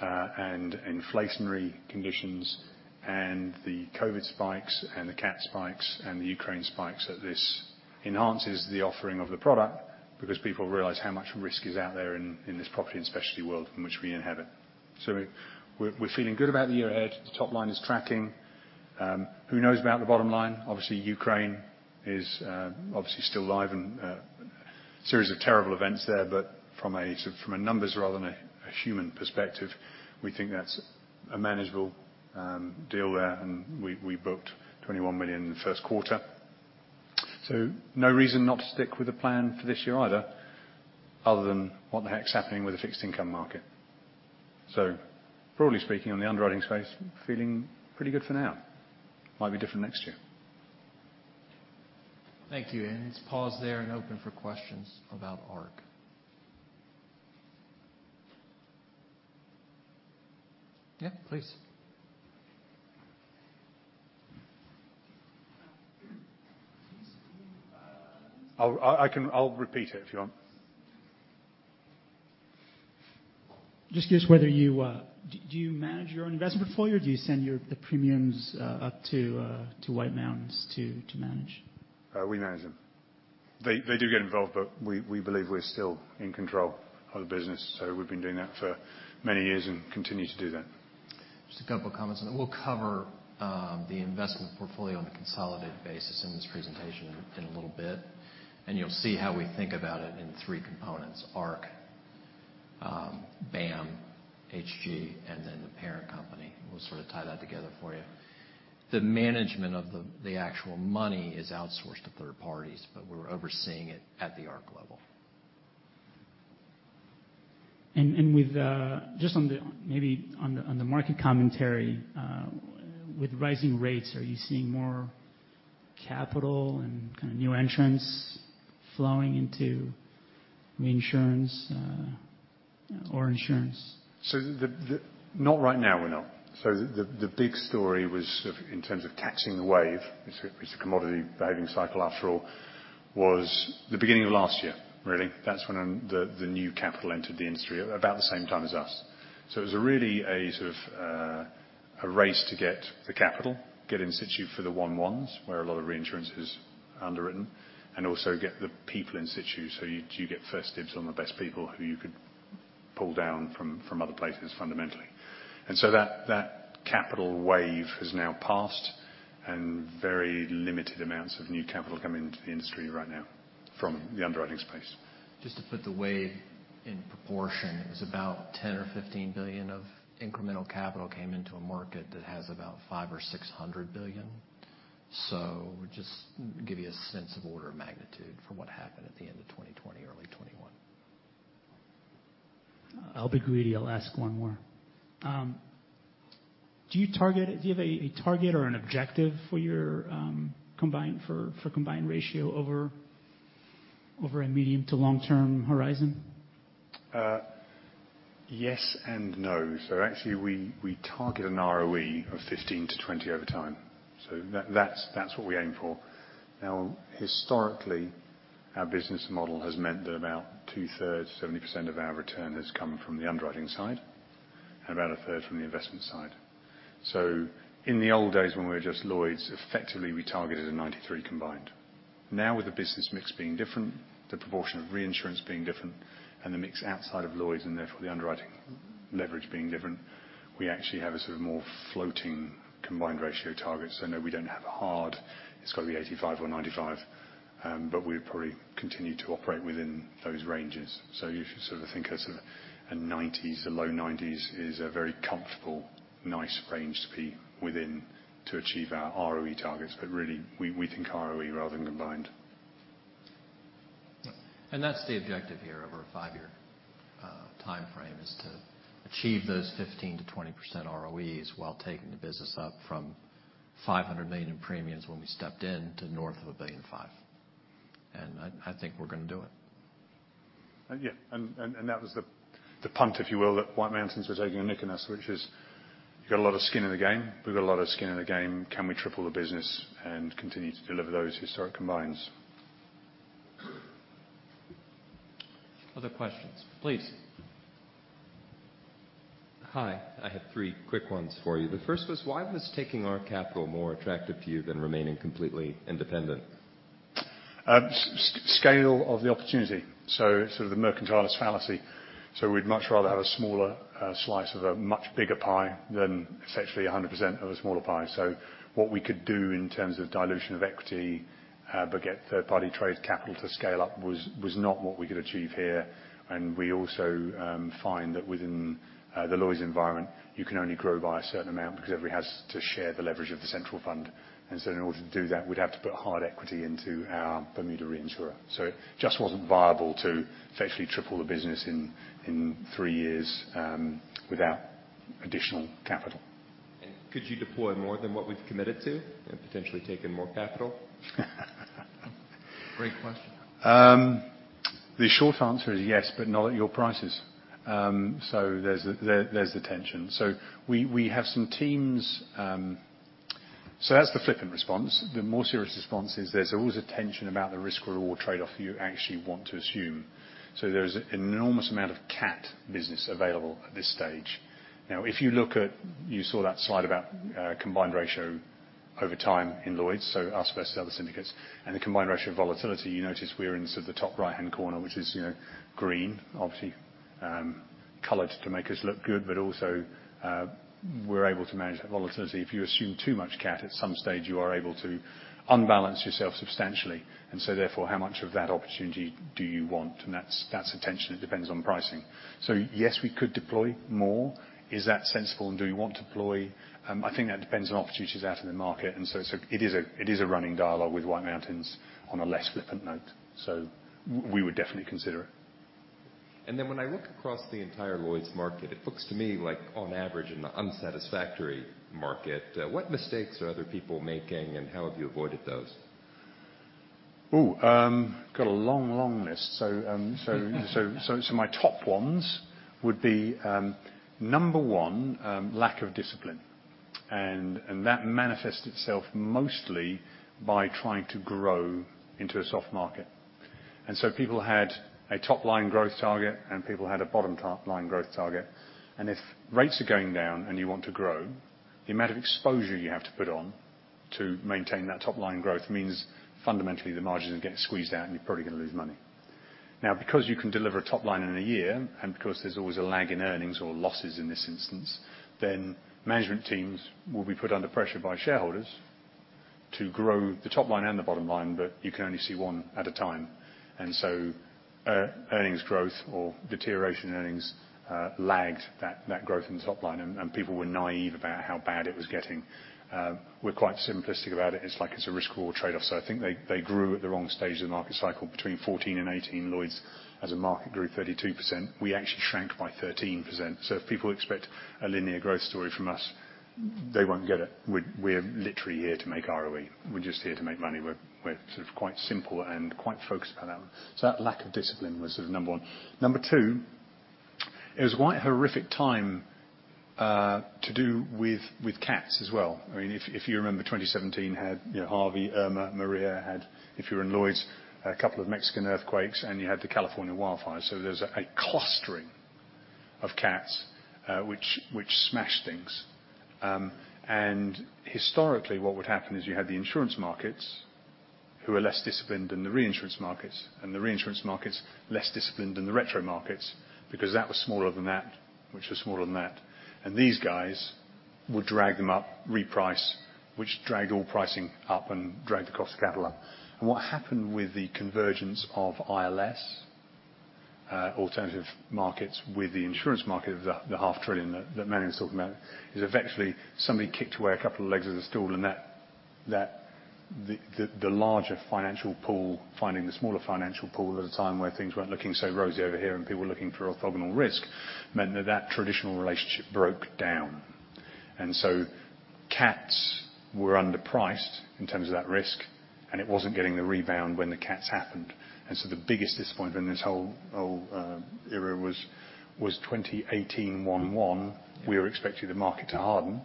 and inflationary conditions and the COVID spikes and the cat spikes and the Ukraine spikes, that this enhances the offering of the product because people realize how much risk is out there in this property and specialty world in which we inhabit. We're feeling good about the year ahead. The top line is tracking. Who knows about the bottom line? Obviously, Ukraine is obviously still live and a series of terrible events there. From a numbers rather than a human perspective, we think that's a manageable deal there. We booked $21 million in the first quarter. No reason not to stick with the plan for this year either, other than what the heck's happening with the fixed income market. Broadly speaking, on the underwriting space, feeling pretty good for now. Might be different next year. Thank you, Ian. Let's pause there and open for questions about Ark. Yeah, please. I'll repeat it if you want. Just curious whether you do you manage your own investment portfolio, or do you send the premiums up to White Mountains to manage? We manage them. They do get involved, but we believe we're still in control of the business. We've been doing that for many years and continue to do that. Just a couple comments, and then we'll cover the investment portfolio on a consolidated basis in this presentation in a little bit, and you'll see how we think about it in three components: Ark, BAM, HG, and then the parent company. We'll sort of tie that together for you. The management of the actual money is outsourced to third parties, but we're overseeing it at the Ark level. With rising rates, are you seeing more capital and kind of new entrants flowing into reinsurance or insurance? Not right now, we're not. The big story was in terms of catching the wave, it's a commodity behaving cycle after all, was the beginning of last year really. That's when the new capital entered the industry, about the same time as us. It was really a sort of a race to get the capital, get in situ for the 1/1s where a lot of reinsurance is underwritten, and also get the people in situ. Do you get first dibs on the best people who you could pull down from other places fundamentally. That capital wave has now passed, and very limited amounts of new capital come into the industry right now from the underwriting space. Just to put the wave in proportion, it was about $10 billion or $15 billion of incremental capital came into a market that has about $500 billion or $600 billion. Just give you a sense of order of magnitude for what happened at the end of 2020, early 2021. I'll be gReidy. I'll ask one more. Do you have a target or an objective for your combined ratio over a medium to long-term horizon? Yes and no. Actually we target an ROE of 15% to 20% over time. That's what we aim for. Now, historically, our business model has meant that about two-thirds, 70% of our return has come from the underwriting side and about a third from the investment side. In the old days, when we were just Lloyd's, effectively, we targeted a 93 combined. Now with the business mix being different, the proportion of reinsurance being different, and the mix outside of Lloyd's, and therefore the underwriting leverage being different, we actually have a sort of more floating combined ratio target. No, we don't have a hard. It's got to be 85 or 95. But we probably continue to operate within those ranges. You should sort of think of sort of 90s, low 90s is a very comfortable, nice range to be within to achieve our ROE targets. Really we think ROE rather than combined. Yeah. That's the objective here over a five-year timeframe, is to achieve those 15% to 20% ROEs while taking the business up from $500 million in premiums when we stepped in to north of $1.5 billion. I think we're gonna do it. Yeah. That was the punt, if you will, that White Mountains were taking on Nick and us, which is, you got a lot of skin in the game. We've got a lot of skin in the game. Can we triple the business and continue to deliver those historic combines? Other questions. Please. Hi. I have three quick ones for you. The first was, why was taking our capital more attractive to you than remaining completely independent? Scale of the opportunity, sort of the mercantilist fallacy. We'd much rather have a smaller slice of a much bigger pie than essentially 100% of a smaller pie. What we could do in terms of dilution of equity but get third-party capital to scale up was not what we could achieve here. We also find that within the Lloyd's environment, you can only grow by a certain amount because everybody has to share the leverage of the central fund. In order to do that, we'd have to put hard equity into our Bermuda reinsurer. It just wasn't viable to effectively triple the business in three years without additional capital. Could you deploy more than what we've committed to and potentially taken more capital? Great question. The short answer is yes, but not at your prices. There's the tension. That's the flippant response. The more serious response is there's always a tension about the risk-reward trade-off you actually want to assume. There's an enormous amount of cat business available at this stage. Now, if you look at, you saw that slide about combined ratio over time in Lloyd's, us versus the other syndicates, and the combined ratio of volatility. You notice we're in sort of the top right-hand corner, which is, you know, green, obviously, colored to make us look good, but also, we're able to manage that volatility. If you assume too much cat at some stage, you are able to unbalance yourself substantially, and so therefore, how much of that opportunity do you want? That's the tension. It depends on pricing. Yes, we could deploy more. Is that sensible, and do we want to deploy? I think that depends on opportunities out in the market, and it's a running dialogue with White Mountains on a less flippant note. We would definitely consider it. When I look across the entire Lloyd's market, it looks to me like on average an unsatisfactory market. What mistakes are other people making, and how have you avoided those? Got a long list. My top ones would be number one, lack of discipline. That manifests itself mostly by trying to grow into a soft market. People had a top line growth target, and people had a bottom line growth target, and if rates are going down and you want to grow, the amount of exposure you have to put on to maintain that top line growth means fundamentally the margins are getting squeezed out and you're probably gonna lose money. Now, because you can deliver a top line in a year, and because there's always a lag in earnings or losses in this instance, management teams will be put under pressure by shareholders to grow the top line and the bottom line, but you can only see one at a time. Earnings growth or deterioration earnings lagged that growth in the top line and people were naive about how bad it was getting. We're quite simplistic about it. It's like it's a risk or trade-off. I think they grew at the wrong stage of the market cycle between 14 and 18. Lloyd's as a market grew 32%. We actually shrank by 13%. If people expect a linear growth story from us, they won't get it. We're literally here to make ROE. We're just here to make money. We're sort of quite simple and quite focused on that one. That lack of discipline was sort of number one. Number two, it was quite a horrific time to do with CATs as well. I mean, if you remember, 2017 had, you know, Harvey, Irma, Maria. Add, if you were in Lloyd's, a couple of Mexican earthquakes, and you had the California wildfires. There's a clustering of CATs, which smashed things. Historically, what would happen is you had the insurance markets, who are less disciplined than the reinsurance markets, and the reinsurance markets less disciplined than the retro markets, because that was smaller than that, which was smaller than that. These guys would drag them up, reprice, which dragged all pricing up and dragged the cost of capital up. What happened with the convergence of ILS, alternative markets with the insurance market of the $0.5 trillion that Manning was talking about is eventually somebody kicked away a couple of legs of the stool, and that. The larger financial pool finding the smaller financial pool at a time where things weren't looking so rosy over here and people were looking for orthogonal risk meant that traditional relationship broke down. CATs were underpriced in terms of that risk, and it wasn't getting the rebound when the CATs happened. The biggest disappointment in this whole era was 2018 1/1. We were expecting the market to harden,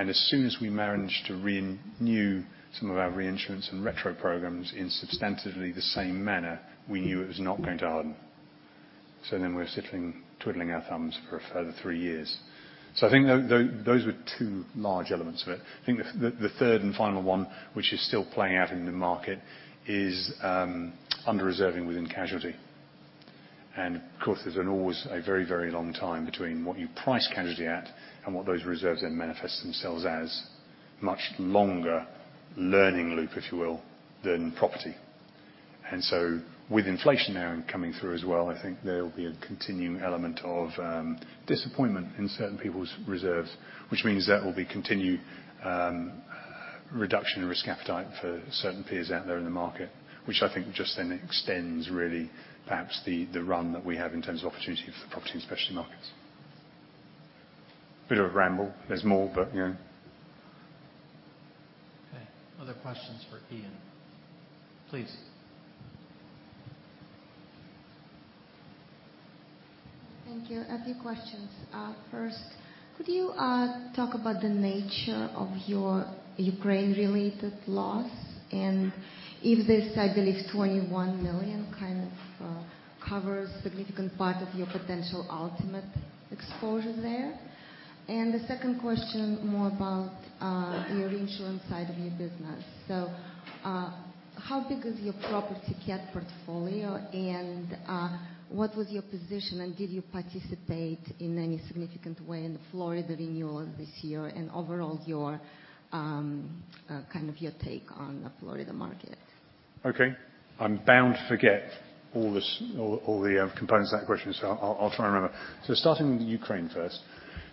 and as soon as we managed to renew some of our reinsurance and retro programs in substantively the same manner, we knew it was not going to harden. We're sitting twiddling our thumbs for a further three years. I think those were two large elements of it. I think the third and final one, which is still playing out in the market, is under reserving within casualty. Of course there's always a very long time between what you price casualty at and what those reserves then manifest themselves as. Much longer learning loop, if you will, than property. With inflation now coming through as well, I think there will be a continuing element of disappointment in certain people's reserves, which means that will be continued reduction in risk appetite for certain peers out there in the market, which I think just then extends really perhaps the run that we have in terms of opportunity for the property and specialty markets. Bit of a ramble. There's more, you know. Okay. Other questions for Ian. Please. Thank you. A few questions. First, could you talk about the nature of your Ukraine related loss and if this, I believe $21 million, kind of, covers significant part of your potential ultimate exposure there? The second question more about the reinsurance side of your business. How big is your property CAT portfolio, and what was your position and did you participate in any significant way in the Florida renewal this year and overall your kind of your take on the Florida market? Okay. I'm bound to forget all the components of that question, so I'll try and remember. Starting with Ukraine first.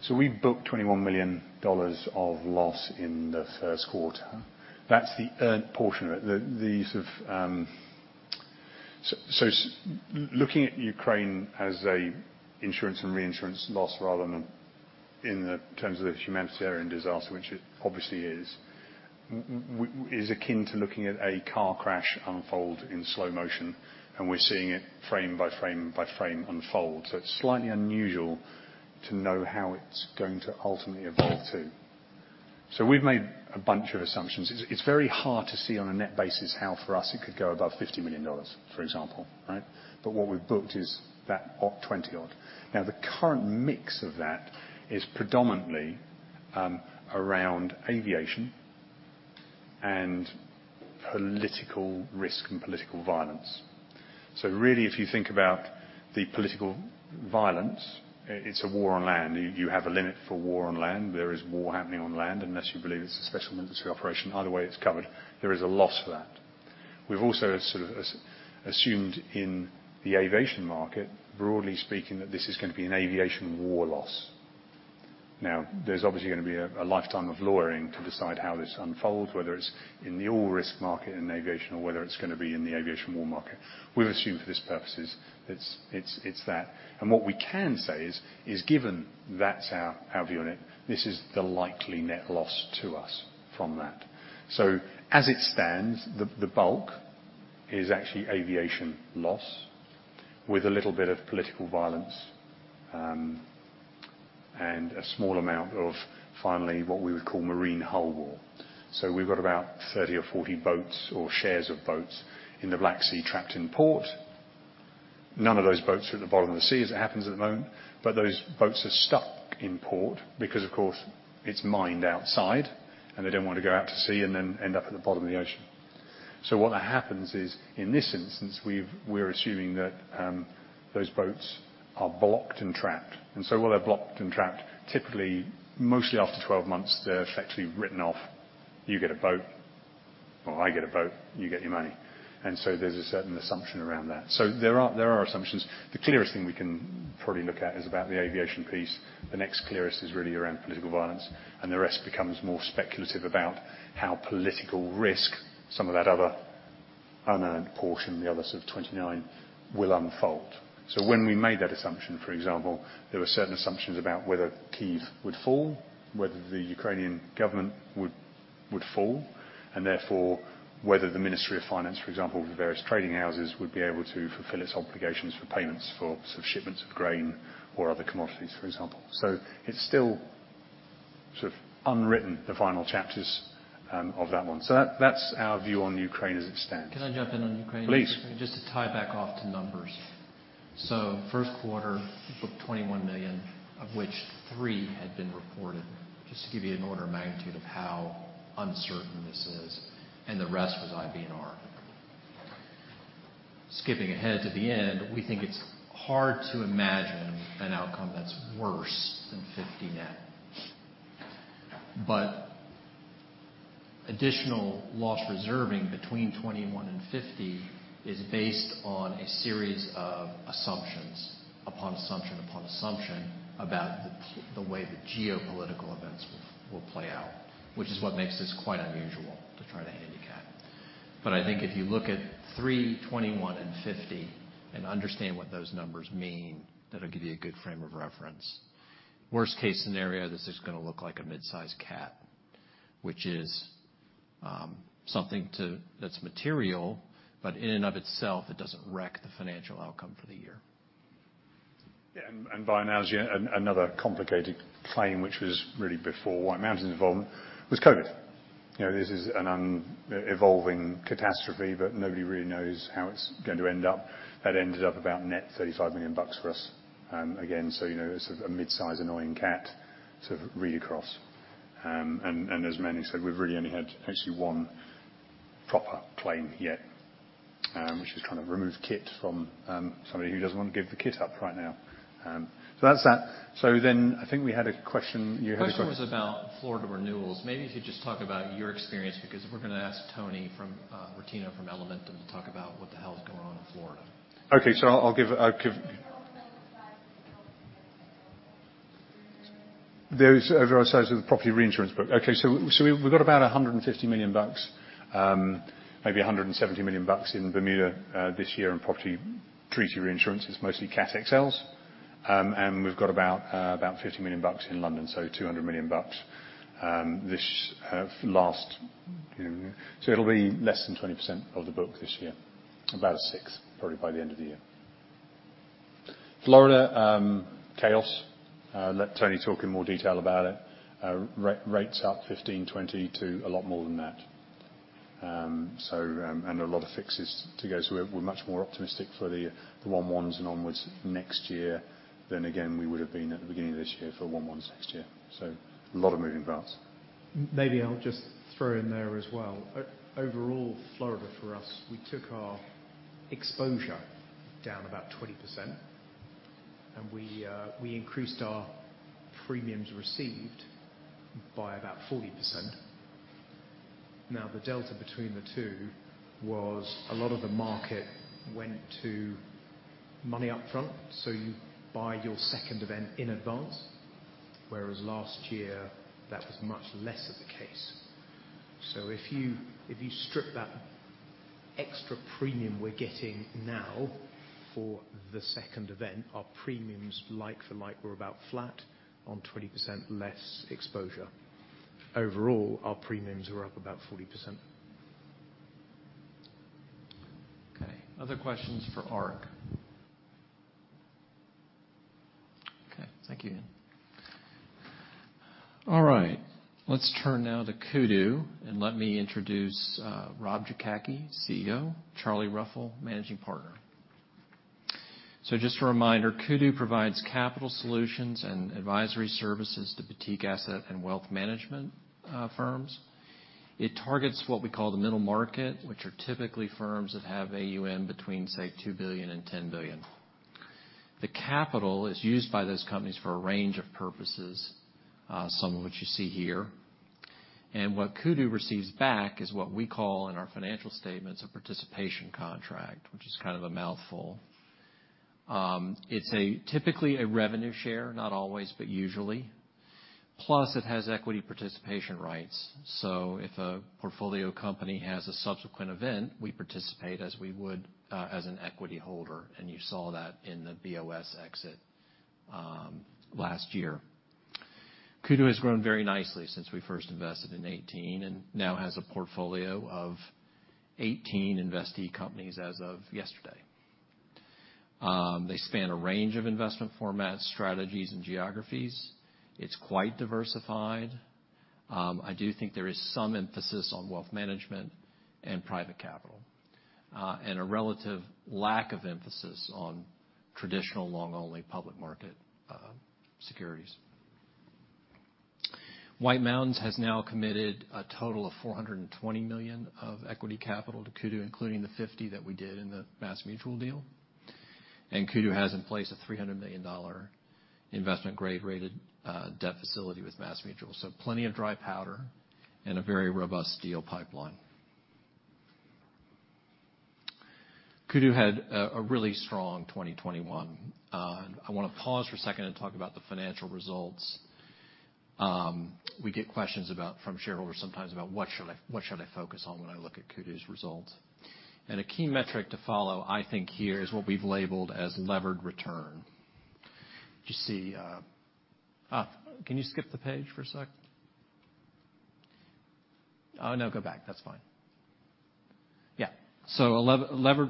We booked $21 million of loss in the first quarter. That's the earned portion of it. The sort of. Looking at Ukraine as an insurance and reinsurance loss rather than in the terms of the humanitarian disaster, which it obviously is is akin to looking at a car crash unfold in slow motion, and we're seeing it frame by frame by frame unfold. It's slightly unusual to know how it's going to ultimately evolve too. We've made a bunch of assumptions. It's very hard to see on a net basis how for us it could go above $50 million, for example, right? But what we've booked is that odd twenty odd. Now the current mix of that is predominantly around aviation and political risk and political violence. Really if you think about the political violence, it's a war on land. You have a limit for war on land. There is war happening on land, unless you believe it's a special military operation. Either way it's covered. There is a loss for that. We've also sort of assumed in the aviation market, broadly speaking, that this is gonna be an aviation war loss. Now, there's obviously gonna be a lifetime of lawyering to decide how this unfolds, whether it's in the all risk market in aviation or whether it's gonna be in the aviation war market. We've assumed for these purposes, it's that. What we can say is given that's our view on it, this is the likely net loss to us from that. As it stands, the bulk is actually aviation loss with a little bit of political violence, and a small amount of finally what we would call marine hull war. We've got about 30 or 40 boats or shares of boats in the Black Sea trapped in port. None of those boats are at the bottom of the sea as it happens at the moment, but those boats are stuck in port because, of course, it's mined outside, and they don't want to go out to sea and then end up at the bottom of the ocean. What happens is, in this instance, we're assuming that those boats are blocked and trapped, and so while they're blocked and trapped, typically mostly after 12 months, they're effectively written off. You get a boat. Well, I get a boat, you get your money. There's a certain assumption around that. There are assumptions. The clearest thing we can probably look at is about the aviation piece. The next clearest is really around political violence, and the rest becomes more speculative about how political risk some of that other unearned portion, the other sort of 29 will unfold. When we made that assumption, for example, there were certain assumptions about whether Kyiv would fall, whether the Ukrainian government would fall, and therefore whether the Ministry of Finance, for example, the various trading houses, would be able to fulfill its obligations for payments for sort of shipments of grain or other commodities, for example. It's still sort of unwritten the final chapters of that one. That, that's our view on Ukraine as it stands. Can I jump in on Ukraine? Please. Just to tie back to numbers. First quarter, you booked $21 million, of which $3 had been reported. Just to give you an order of magnitude of how uncertain this is, and the rest was IBNR. Skipping ahead to the end, we think it's hard to imagine an outcome that's worse than $50 net. Additional loss reserving between $21 and $50 is based on a series of assumptions upon assumption upon assumption about the way the geopolitical events will play out, which is what makes this quite unusual to try to handicap. I think if you look at $3, $21, and $50 and understand what those numbers mean, that'll give you a good frame of reference. Worst case scenario, this is gonna look like a mid-size cat, which is something that's material, but in and of itself, it doesn't wreck the financial outcome for the year. Yeah. By analogy, another complicated claim, which was really before White Mountains' involvement was COVID. You know, this is an evolving catastrophe, but nobody really knows how it's going to end up. That ended up about net $35 million for us. Again, you know, it's a mid-size annoying cat to read across. As Manning said, we've really only had actually one proper claim yet, which is kind of remove kit from somebody who doesn't want to give the kit up right now. That's that. I think we had a question. You had a question. Question was about Florida renewals. Maybe if you just talk about your experience, because we're gonna ask Anthony Rettino from Elementum to talk about what the hell is going on in Florida. Okay. I'll give. There's oversized with the property reinsurance book. Okay. We've got about $150 million, maybe $170 million in Bermuda this year in property treaty reinsurance. It's mostly cat XLs. And we've got about $50 million in London, so $200 million this last, you know. It'll be less than 20% of the book this year, about a sixth, probably by the end of the year. Florida chaos. I'll let Tony talk in more detail about it. Rates up 15% to 0% to a lot more than that. And a lot of fixes to go. We're much more optimistic for the 1/1s and onwards next year than again we would've been at the beginning of this year for 1/1s next year. A lot of moving parts. Maybe I'll just throw in there as well. Overall, Florida for us, we took our exposure down about 20%, and we increased our premiums received by about 40%. Now, the delta between the two was a lot of the market went to money up front, so you buy your second event in advance, whereas last year that was much less of the case. If you strip that extra premium we're getting now for the second event, our premiums like for like were about flat on 20% less exposure. Overall, our premiums were up about 40%. Okay. Other questions for Ark? Okay. Thank you. All right. Let's turn now to Kudu, and let me introduce Rob Jakacki, CEO, Charlie Ruffel, Managing Partner. So just a reminder, Kudu provides capital solutions and advisory services to boutique asset and wealth management firms. It targets what we call the middle market, which are typically firms that have AUM between, say, $2 billion to $10 billion. The capital is used by those companies for a range of purposes, some of which you see here. What Kudu receives back is what we call in our financial statements a participation contract, which is kind of a mouthful. It's typically a revenue share, not always, but usually. Plus, it has equity participation rights. If a portfolio company has a subsequent event, we participate as we would as an equity holder, and you saw that in the BOS exit last year. Kudu has grown very nicely since we first invested in 2018 and now has a portfolio of 18 investee companies as of yesterday. They span a range of investment formats, strategies, and geographies. It's quite diversified. I do think there is some emphasis on wealth management and private capital and a relative lack of emphasis on traditional long-only public market securities. White Mountains has now committed a total of $420 million of equity capital to Kudu, including the $50 million that we did in the MassMutual deal. Kudu has in place a $300 million investment-grade rated debt facility with MassMutual. Plenty of dry powder and a very robust deal pipeline. Kudu had a really strong 2021. I wanna pause for a second and talk about the financial results. We get questions from shareholders sometimes about what should I focus on when I look at Kudu's results? A key metric to follow, I think, here is what we've labeled as levered return. A levered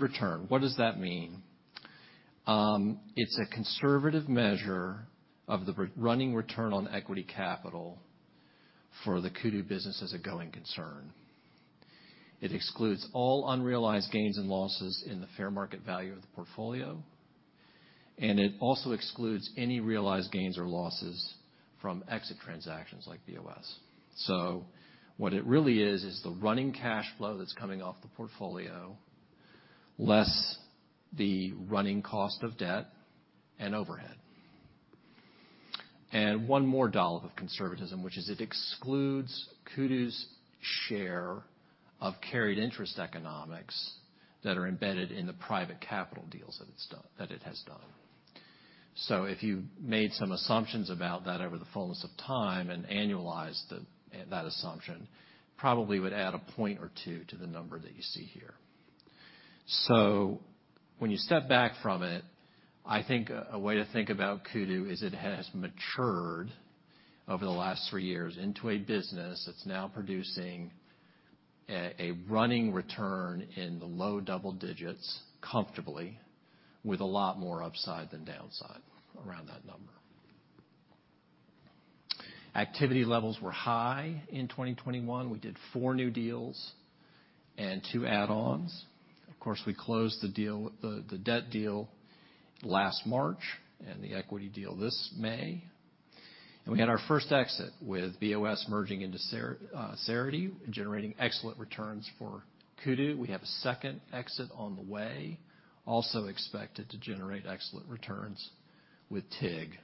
return, what does that mean? It's a conservative measure of the running return on equity capital for the Kudu business as a going concern. It excludes all unrealized gains and losses in the fair market value of the portfolio, and it also excludes any realized gains or losses from exit transactions like BOS. What it really is is the running cash flow that's coming off the portfolio, less the running cost of debt and overhead. One more dollop of conservatism, which is it excludes Kudu's share of carried interest economics that are embedded in the private capital deals that it has done. If you made some assumptions about that over the fullness of time and annualized that assumption, probably would add a point or two to the number that you see here. When you step back from it, I think a way to think about Kudu is it has matured over the last three years into a business that's now producing a running return in the low double digits comfortably with a lot more upside than downside around that number. Activity levels were high in 2021. We did four new deals and two add-ons. Of course, we closed the deal, the debt deal last March and the equity deal this May. We had our first exit with BOS merging into Cerity, generating excellent returns for Kudu. We have a second exit on the way, also expected to generate excellent returns with TIG.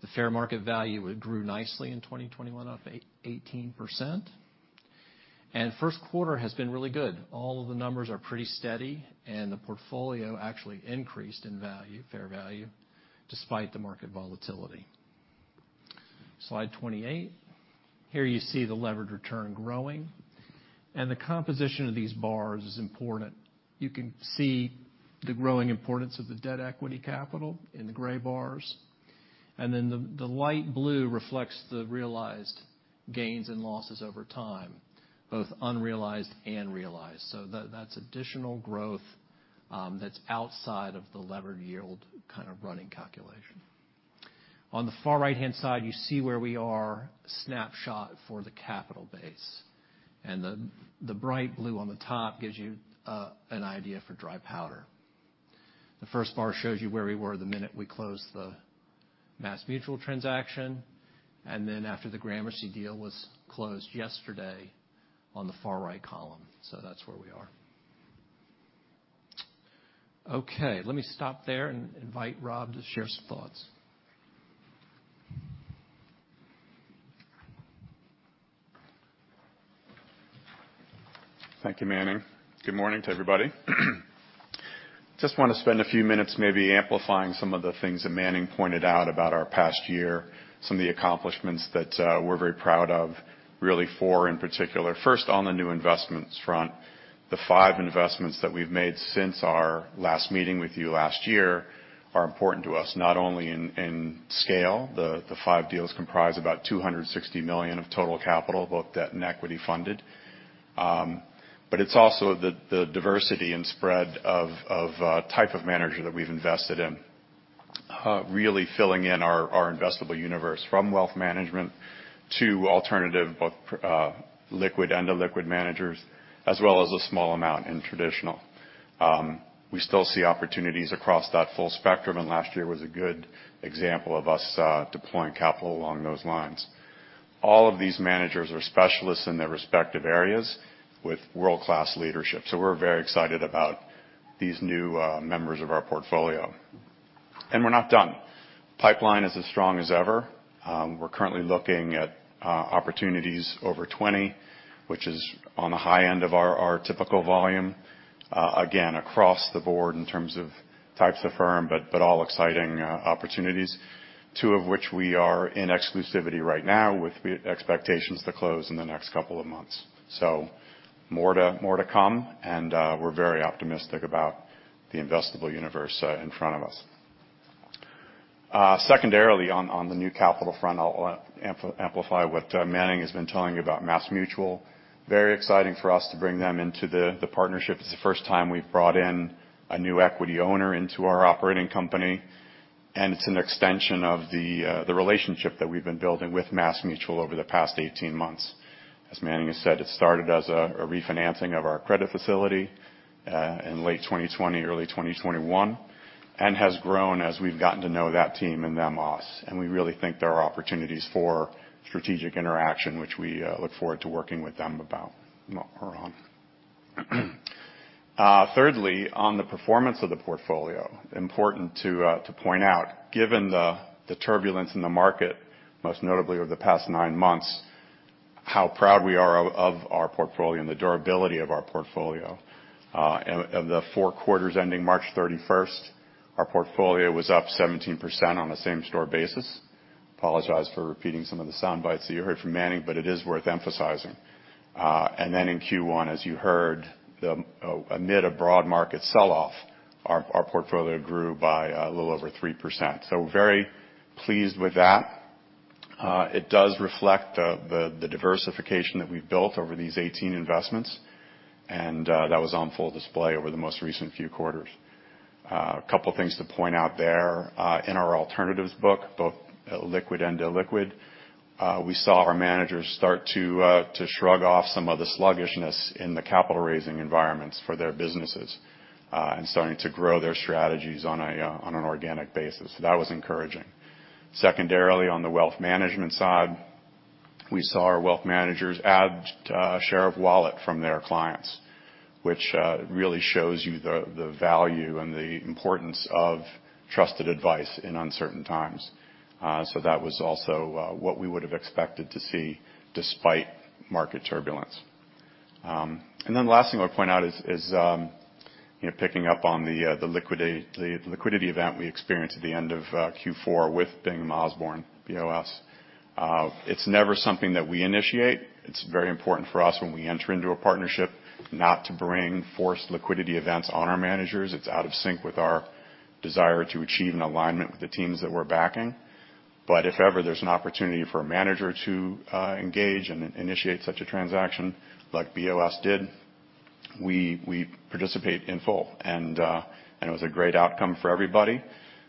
The fair market value, it grew nicely in 2021 of 18%. First quarter has been really good. All of the numbers are pretty steady, and the portfolio actually increased in value, fair value, despite the market volatility. Slide 28. Here you see the levered return growing, and the composition of these bars is important. You can see the growing importance of the debt equity capital in the gray bars, and then the light blue reflects the realized gains and losses over time, both unrealized and realized. That's additional growth that's outside of the levered yield kind of running calculation. On the far right-hand side, you see where we are snapshot for the capital base, and the bright blue on the top gives you an idea for dry powder. The first bar shows you where we were the minute we closed the MassMutual transaction, and then after the Gramercy deal was closed yesterday on the far right column. That's where .e are. Okay, let me stop there and invite Rob to share some thoughts. Thank you, Manning. Good morning to everybody. Just wanna spend a few minutes maybe amplifying some of the things that Manning pointed out about our past year, some of the accomplishments that we're very proud of, really four in particular. First, on the new investments front, the five investments that we've made since our last meeting with you last year are important to us, not only in scale, the five deals comprise about $260 million of total capital, both debt and equity funded, but it's also the diversity and spread of type of manager that we've invested in, really filling in our investable universe from wealth management to alternative, both liquid and illiquid managers, as well as a small amount in traditional. We still see opportunities across that full spectrum, and last year was a good example of us deploying capital along those lines. All of these managers are specialists in their respective areas with world-class leadership, so we're very excited about these new members of our portfolio. We're not done. Pipeline is as strong as ever. We're currently looking at opportunities over 20, which is on the high end of our typical volume, again, across the board in terms of types of firm, but all exciting opportunities, two of which we are in exclusivity right now with the expectations to close in the next couple of months. More to come, and we're very optimistic about the investable universe in front of us. Secondarily, on the new capital front, I'll amplify what Manning has been telling you about MassMutual. Very exciting for us to bring them into the partnership. It's the first time we've brought in a new equity owner into our operating company, and it's an extension of the relationship that we've been building with MassMutual over the past 18 months. As Manning has said, it started as a refinancing of our credit facility in late 2020, early 2021, and has grown as we've gotten to know that team and them us, and we really think there are opportunities for strategic interaction, which we look forward to working with them about more on. Thirdly, on the performance of the portfolio, important to point out, given the turbulence in the market, most notably over the past 9 months, how proud we are of our portfolio and the durability of our portfolio. In the 4 quarters ending March 31, our portfolio was up 17% on a same-store basis. Apologize for repeating some of the soundbites that you heard from Manning, but it is worth emphasizing. In Q1, as you heard, amid a broad market sell-off, our portfolio grew by a little over 3%. Very pleased with that. It does reflect the diversification that we've built over these 18 investments, and that was on full display over the most recent few quarters. A couple things to point out there, in our alternatives book, both liquid and illiquid, we saw our managers start to shrug off some of the sluggishness in the capital raising environments for their businesses, and starting to grow their strategies on an organic basis. That was encouraging. Secondarily, on the wealth management side, we saw our wealth managers add share of wallet from their clients, which really shows you the value and the importance of trusted advice in uncertain times. That was also what we would have expected to see despite market turbulence. Last thing I'll point out is you know, picking up on the liquidity event we experienced at the end of Q4 with Bingham, Osborn & Scarborough, BOS. It's never something that we initiate. It's very important for us when we enter into a partnership not to bring forced liquidity events on our managers. It's out of sync with our desire to achieve an alignment with the teams that we're backing. If ever there's an opportunity for a manager to engage and initiate such a transaction, like BOS did, we participate in full. It was a great outcome for everybody.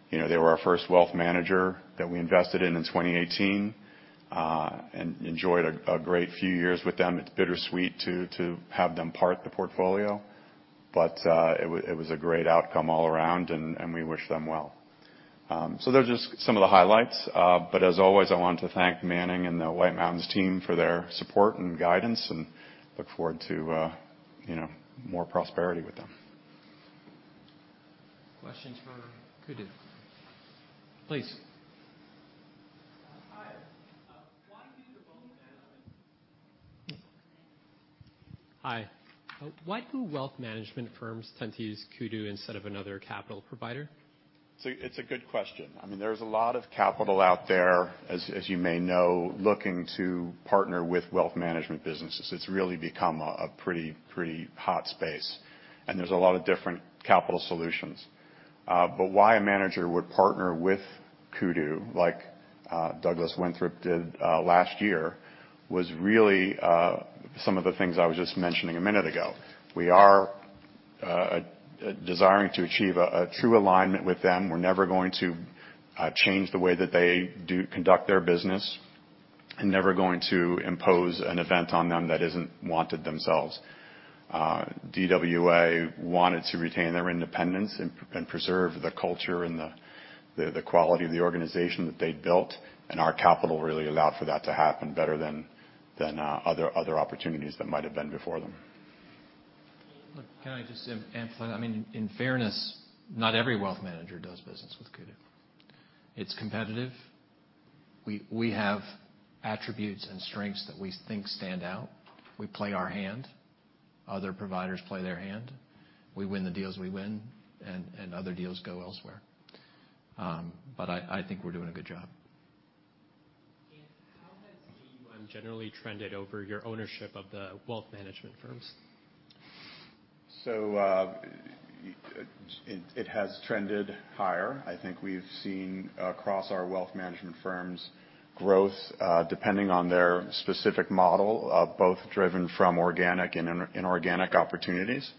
You know, they were our first wealth manager that we invested in in 2018 and enjoyed a great few years with them. It's bittersweet to have them part the portfolio, but it was a great outcome all around, and we wish them well. They're just some of the highlights. As always, I want to thank Manning and the White Mountains team for their support and guidance, and look forward to, you know, more prosperity with them. Questions for Kudu? Please. Hi. Why do wealth management firms tend to use Kudu instead of another capital provider? It's a good question. I mean, there's a lot of capital out there, as you may know, looking to partner with wealth management businesses. It's really become a pretty hot space, and there's a lot of different capital solutions. But why a manager would partner with Kudu, like, Douglass Winthrop did last year, was really some of the things I was just mentioning a minute ago. We are desiring to achieve a true alignment with them. We're never going to change the way that they conduct their business, and never going to impose an event on them that isn't wanted themselves. DWA wanted to retain their independence and preserve the culture and the quality of the organization that they'd built, and our capital really allowed for that to happen better than other opportunities that might have been before them. Can I just amplify that? I mean, in fairness, not every wealth manager does business with Kudu. It's competitive. We have attributes and strengths that we think stand out. We play our hand. Other providers play their hand. We win the deals we win and other deals go elsewhere. But I think we're doing a good job. How has AUM generally trended over your ownership of the wealth management firms? It has trended higher. I think we've seen across our wealth management firms growth, depending on their specific model, both driven from organic and inorganic opportunities.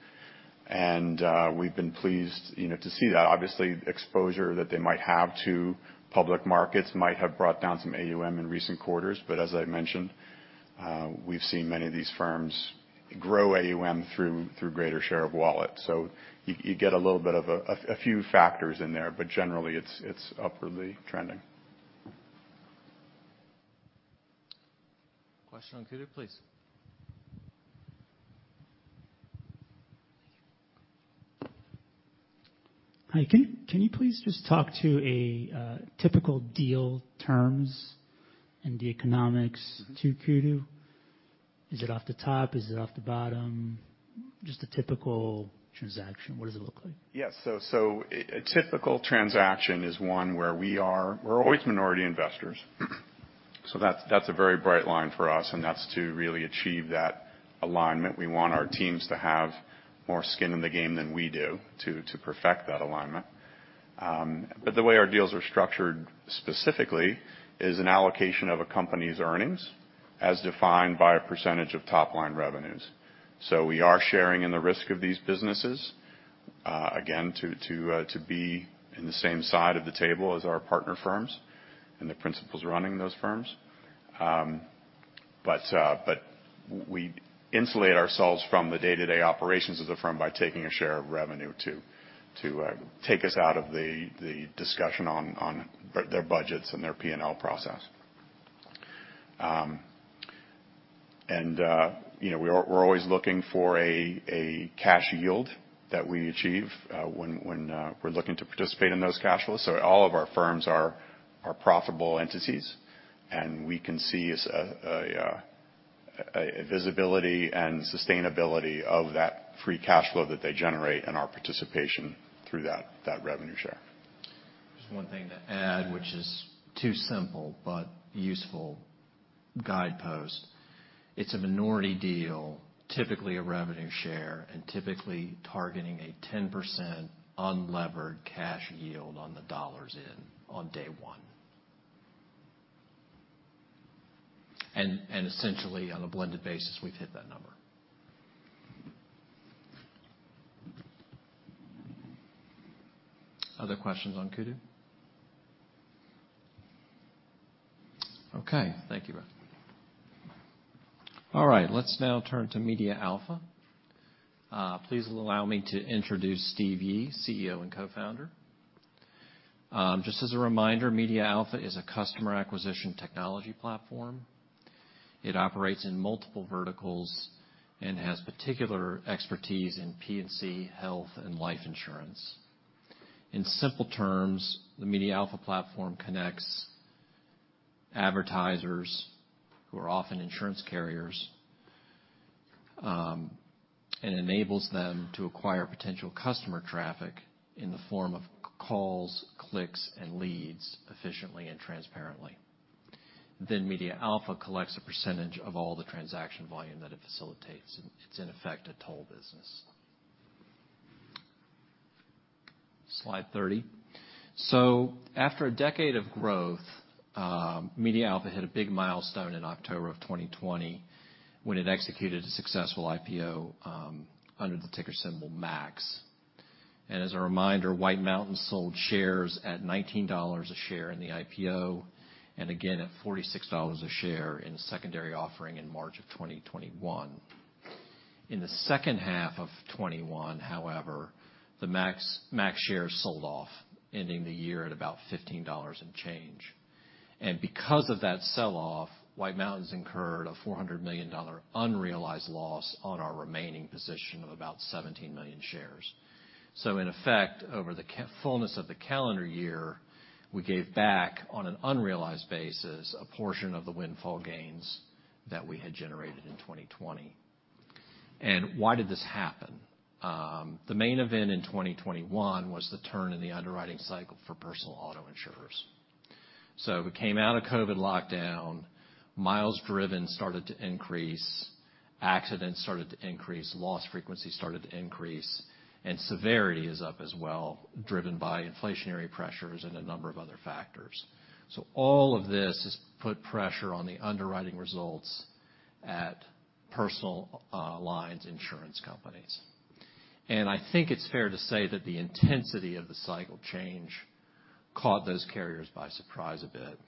We've been pleased, you know, to see that. Obviously, exposure that they might have to public markets might have brought down some AUM in recent quarters, but as I mentioned, we've seen many of these firms grow AUM through greater share of wallet. You get a little bit of a few factors in there, but generally it's upwardly trending. Question on Kudu, please. Hi. Can you please just talk about typical deal terms and the economics to Kudu? Is it off the top? Is it off the bottom? Just a typical transaction, what does it look like? Yes. A typical transaction is one where we're always minority investors. That's a very bright line for us, and that's to really achieve that alignment. We want our teams to have more skin in the game than we do to perfect that alignment. The way our deals are structured specifically is an allocation of a company's earnings as defined by a percentage of top-line revenues. We are sharing in the risk of these businesses, again, to be in the same side of the table as our partner firms and the principals running those firms. We insulate ourselves from the day-to-day operations of the firm by taking a share of revenue to take us out of the discussion on their budgets and their P&L process. you know, we're always looking for a cash yield that we achieve when we're looking to participate in those cash flows. All of our firms are profitable entities, and we can see a visibility and sustainability of that free cash flow that they generate and our participation through that revenue share. Just one thing to add, which is too simple but useful guidepost. It's a minority deal, typically a revenue share, and typically targeting a 10% unlevered cash yield on the dollars in on day one. Essentially, on a blended basis, we've hit that number. Other questions on Kudu? Okay. Thank you, Rob. All right. Let's now turn to MediaAlpha. Please allow me to introduce Steven Yi, CEO and Co-founder. Just as a reminder, MediaAlpha is a customer acquisition technology platform. It operates in multiple verticals and has particular expertise in P&C health and life insurance. In simple terms, the MediaAlpha platform connects advertisers, who are often insurance carriers, and enables them to acquire potential customer traffic in the form of calls, clicks, and leads efficiently and transparently. Then MediaAlpha collects a percentage of all the transaction volume that it facilitates. It's in effect a toll business. Slide 30. After a decade of growth, MediaAlpha hit a big milestone in October 2020 when it executed a successful IPO under the ticker symbol MAX. As a reminder, White Mountains sold shares at $19 a share in the IPO, and again at $46 a share in a secondary offering in March 2021. In the second half of 2021, however, the MAX shares sold off, ending the year at about $15 and change. Because of that sell-off, White Mountains incurred a $400 million unrealized loss on our remaining position of about 17 million shares. In effect, over the fullness of the calendar year, we gave back, on an unrealized basis, a portion of the windfall gains that we had generated in 2020. Why did this happen? The main event in 2021 was the turn in the underwriting cycle for personal auto insurers. We came out of COVID lockdown, miles driven started to increase, accidents started to increase, loss frequency started to increase, and severity is up as well, driven by inflationary pressures and a number of other factors. All of this has put pressure on the underwriting results at personal lines insurance companies. I think it's fair to say that the intensity of the cycle change caught those carriers by surprise a bit.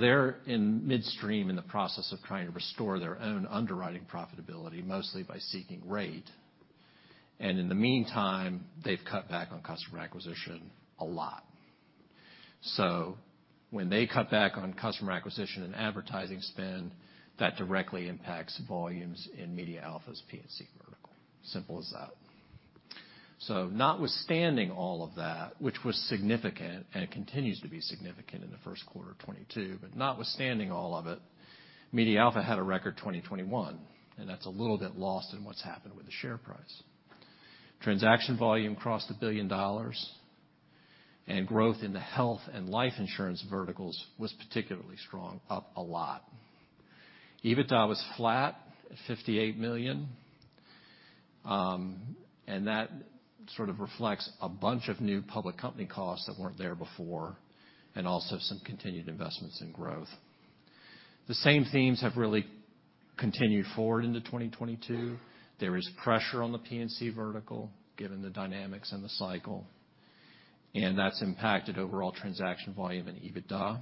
They're in midstream in the process of trying to restore their own underwriting profitability, mostly by seeking rate. In the meantime, they've cut back on customer acquisition a lot. When they cut back on customer acquisition and advertising spend, that directly impacts volumes in MediaAlpha's P&C vertical. Simple as that. Notwithstanding all of that, which was significant and continues to be significant in the first quarter of 2022, but notwithstanding all of it, MediaAlpha had a record 2021, and that's a little bit lost in what's happened with the share price. Transaction volume crossed $1 billion, and growth in the health and life insurance verticals was particularly strong, up a lot. EBITDA was flat at $58 million, and that sort of reflects a bunch of new public company costs that weren't there before, and also some continued investments in growth. The same themes have really continued forward into 2022. There is pressure on the P&C vertical, given the dynamics in the cycle, and that's impacted overall transaction volume in EBITDA.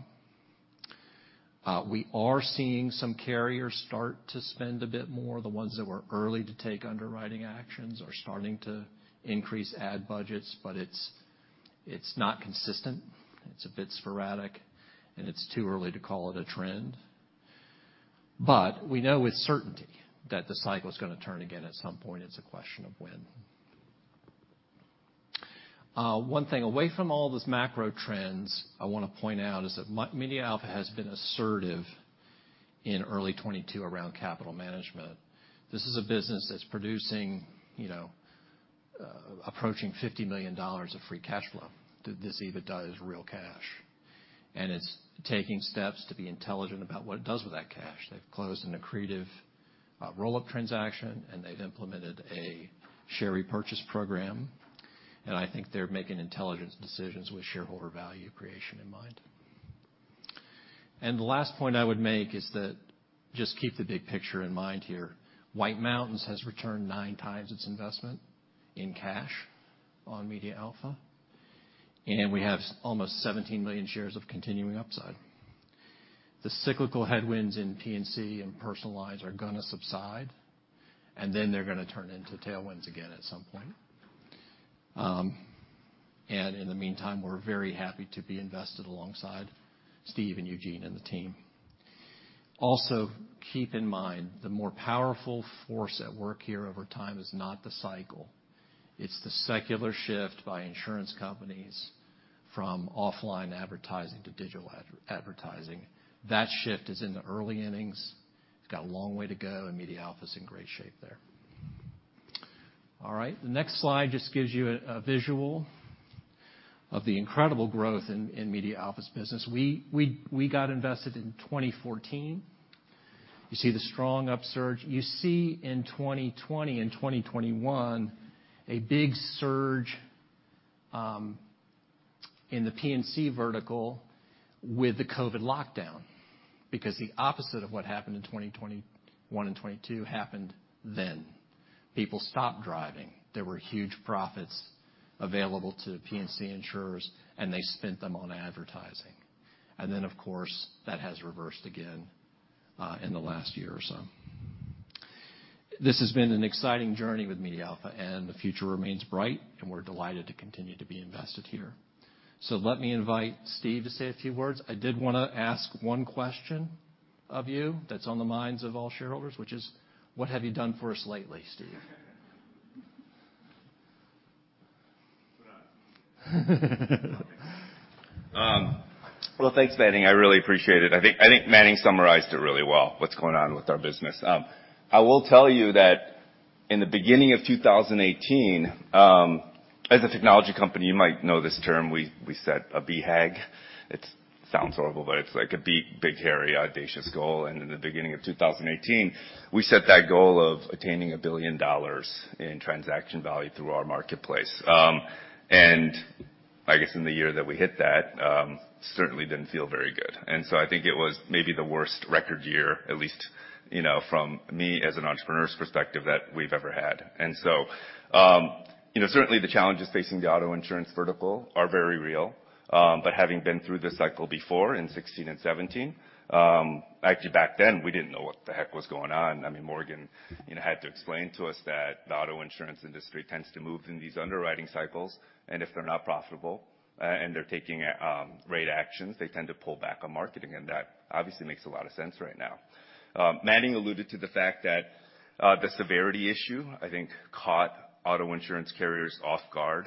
We are seeing some carriers start to spend a bit more. The ones that were early to take underwriting actions are starting to increase ad budgets, but it's not consistent, it's a bit sporadic, and it's too early to call it a trend. We know with certainty that the cycle's gonna turn again at some point. It's a question of when. One thing away from all those macro trends I wanna point out is that MediaAlpha has been assertive in early 2022 around capital management. This is a business that's producing, you know, approaching $50 million of free cash flow. This EBITDA is real cash, and it's taking steps to be intelligent about what it does with that cash. They've closed an accretive roll-up transaction, and they've implemented a share repurchase program. I think they're making intelligent decisions with shareholder value creation in mind. The last point I would make is that just keep the big picture in mind here. White Mountains has returned 9x its investment in cash on MediaAlpha, and we have almost 17 million shares of continuing upside. The cyclical headwinds in P&C and personal lines are gonna subside, and then they're gonna turn into tailwinds again at some point. In the meantime, we're very happy to be invested alongside Steve and Eugene and the team. Also, keep in mind, the more powerful force at work here over time is not the cycle, it's the secular shift by insurance companies from offline advertising to digital advertising. That shift is in the early innings. It's got a long way to go, and MediaAlpha's in great shape there. All right. The next slide just gives you a visual of the incredible growth in MediaAlpha's business. We got invested in 2014. You see the strong upsurge. You see in 2020 and 2021, a big surge in the P&C vertical with the COVID lockdown because the opposite of what happened in 2021 and 2022 happened then. People stopped driving. There were huge profits available to P&C insurers, and they spent them on advertising. Of course, that has reversed again in the last year or so. This has been an exciting journey with MediaAlpha, and the future remains bright, and we're delighted to continue to be invested here. Let me invite Steve to say a few words. I did wanna ask one question of you that's on the minds of all shareholders, which is, what have you done for us lately, Steve? Well, thanks, Manning. I really appreciate it. I think Manning summarized it really well, what's going on with our business. I will tell you that in the beginning of 2018, as a technology company, you might know this term, we set a BHAG. It sounds horrible, but it's like a big, big hairy audacious goal. In the beginning of 2018, we set that goal of attaining $1 billion in transaction value through our marketplace. I guess in the year that we hit that, it certainly didn't feel very good. I think it was maybe the worst record year, at least, you know, from me as an entrepreneur's perspective, that we've ever had. You know, certainly the challenges facing the auto insurance vertical are very real, but having been through this cycle before in 2016 and 2017, actually back then, we didn't know what the heck was going on. I mean, Morgan, you know, had to explain to us that the auto insurance industry tends to move in these underwriting cycles, and if they're not profitable, and they're taking rate actions, they tend to pull back on marketing, and that obviously makes a lot of sense right now. Manning alluded to the fact that the severity issue, I think, caught auto insurance carriers off guard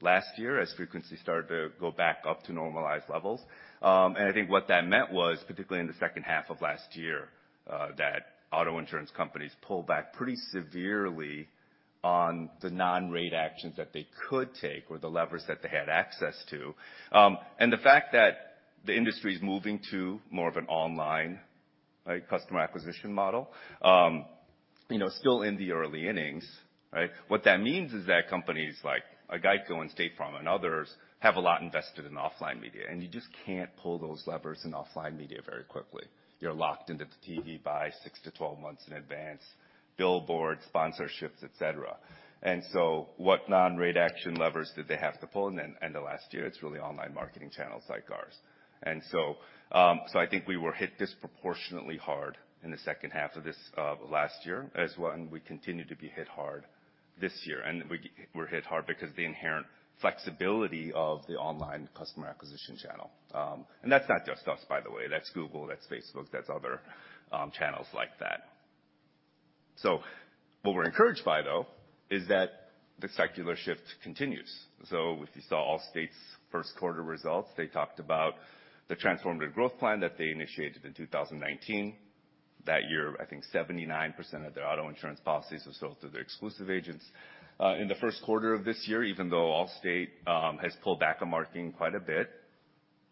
last year as frequency started to go back up to normalized levels. I think what that meant was, particularly in the second half of last year, that auto insurance companies pulled back pretty severely on the non-rate actions that they could take or the levers that they had access to. The fact that the industry's moving to more of an online, right, customer acquisition model, you know, still in the early innings, right? What that means is that companies like GEICO and State Farm and others have a lot invested in offline media, and you just can't pull those levers in offline media very quickly. You're locked into the TV buy six to 12 months in advance, billboard sponsorships, et cetera. What non-rate action levers did they have to pull in the last year? It's really online marketing channels like ours. I think we were hit disproportionately hard in the second half of this last year, and we continue to be hit hard this year. We were hit hard because the inherent flexibility of the online customer acquisition channel. That's not just us, by the way. That's Google, that's Facebook, that's other channels like that. What we're encouraged by, though, is that the secular shift continues. If you saw Allstate's first quarter results, they talked about the transformative growth plan that they initiated in 2019. That year, I think 79% of their auto insurance policies were sold through their exclusive agents. In the first quarter of this year, even though Allstate has pulled back on marketing quite a bit,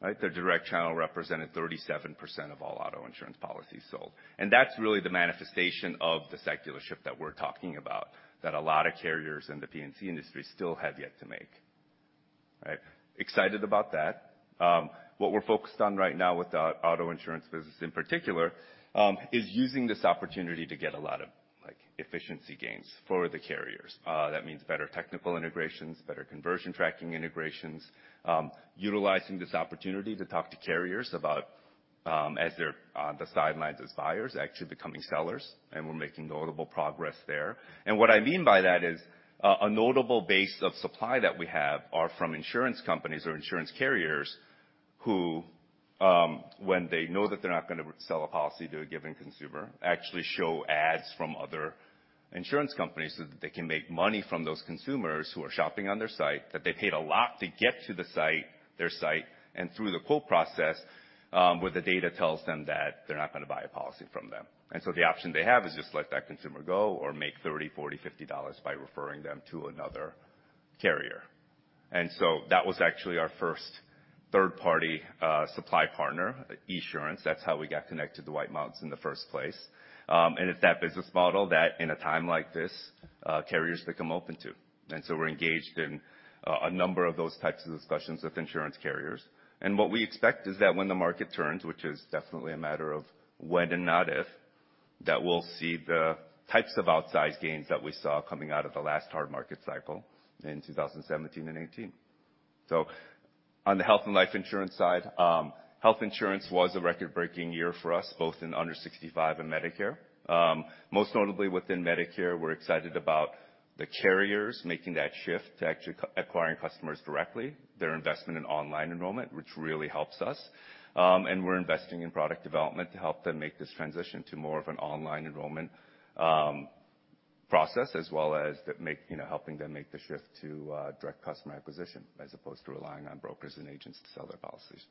right? Their direct channel represented 37% of all auto insurance policies sold. That's really the manifestation of the secular shift that we're talking about, that a lot of carriers in the P&C industry still have yet to make. Right? Excited about that. What we're focused on right now with the auto insurance business in particular is using this opportunity to get a lot of, like, efficiency gains for the carriers. That means better technical integrations, better conversion tracking integrations, utilizing this opportunity to talk to carriers about, as they're on the sidelines as buyers, actually becoming sellers, and we're making notable progress there. What I mean by that is, a notable base of supply that we have are from insurance companies or insurance carriers who, when they know that they're not gonna sell a policy to a given consumer, actually show ads from other insurance companies so that they can make money from those consumers who are shopping on their site, that they paid a lot to get to the site, their site, and through the quote process, where the data tells them that they're not gonna buy a policy from them. The option they have is just let that consumer go or make $30, $40, $50 by referring them to another carrier. That was actually our first third party, supply partner, Esurance. That's how we got connected to White Mountains in the first place. It's that business model that in a time like this, carriers become open to. We're engaged in a number of those types of discussions with insurance carriers. What we expect is that when the market turns, which is definitely a matter of when and not if, that we'll see the types of outsized gains that we saw coming out of the last hard market cycle in 2017 and 2018. On the health and life insurance side, health insurance was a record-breaking year for us, both in under 65 and Medicare. Most notably within Medicare, we're excited about the carriers making that shift to actually acquiring customers directly, their investment in online enrollment, which really helps us. We're investing in product development to help them make this transition to more of an online enrollment process, as well as to make helping them make the shift to direct customer acquisition, as opposed to relying on brokers and agents to sell their policies.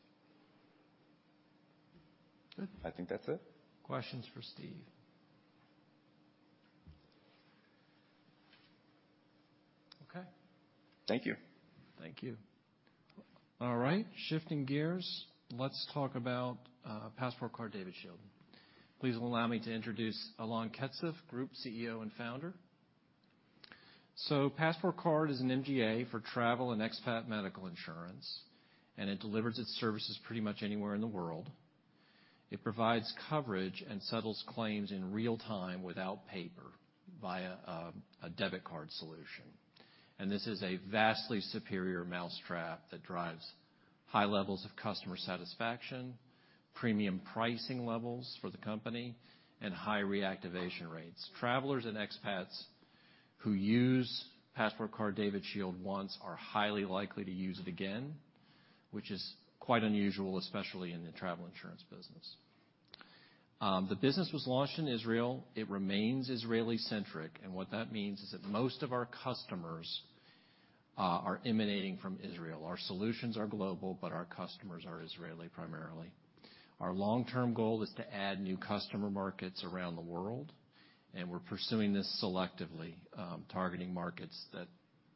I think that's it. Questions for Steve? Okay. Thank you. Thank you. All right, shifting gears, let's talk about PassportCard DavidShield. Please allow me to introduce Alon Ketzef, Group CEO and founder. PassportCard is an MGA for travel and expat medical insurance, and it delivers its services pretty much anywhere in the world. It provides coverage and settles claims in real time without paper via a debit card solution. This is a vastly superior mousetrap that drives high levels of customer satisfaction, premium pricing levels for the company, and high reactivation rates. Travelers and expats who use PassportCard DavidShield once are highly likely to use it again, which is quite unusual, especially in the travel insurance business. The business was launched in Israel. It remains Israeli centric, and what that means is that most of our customers are emanating from Israel. Our solutions are global, but our customers are Israeli primarily. Our long-term goal is to add new customer markets around the world, and we're pursuing this selectively, targeting markets that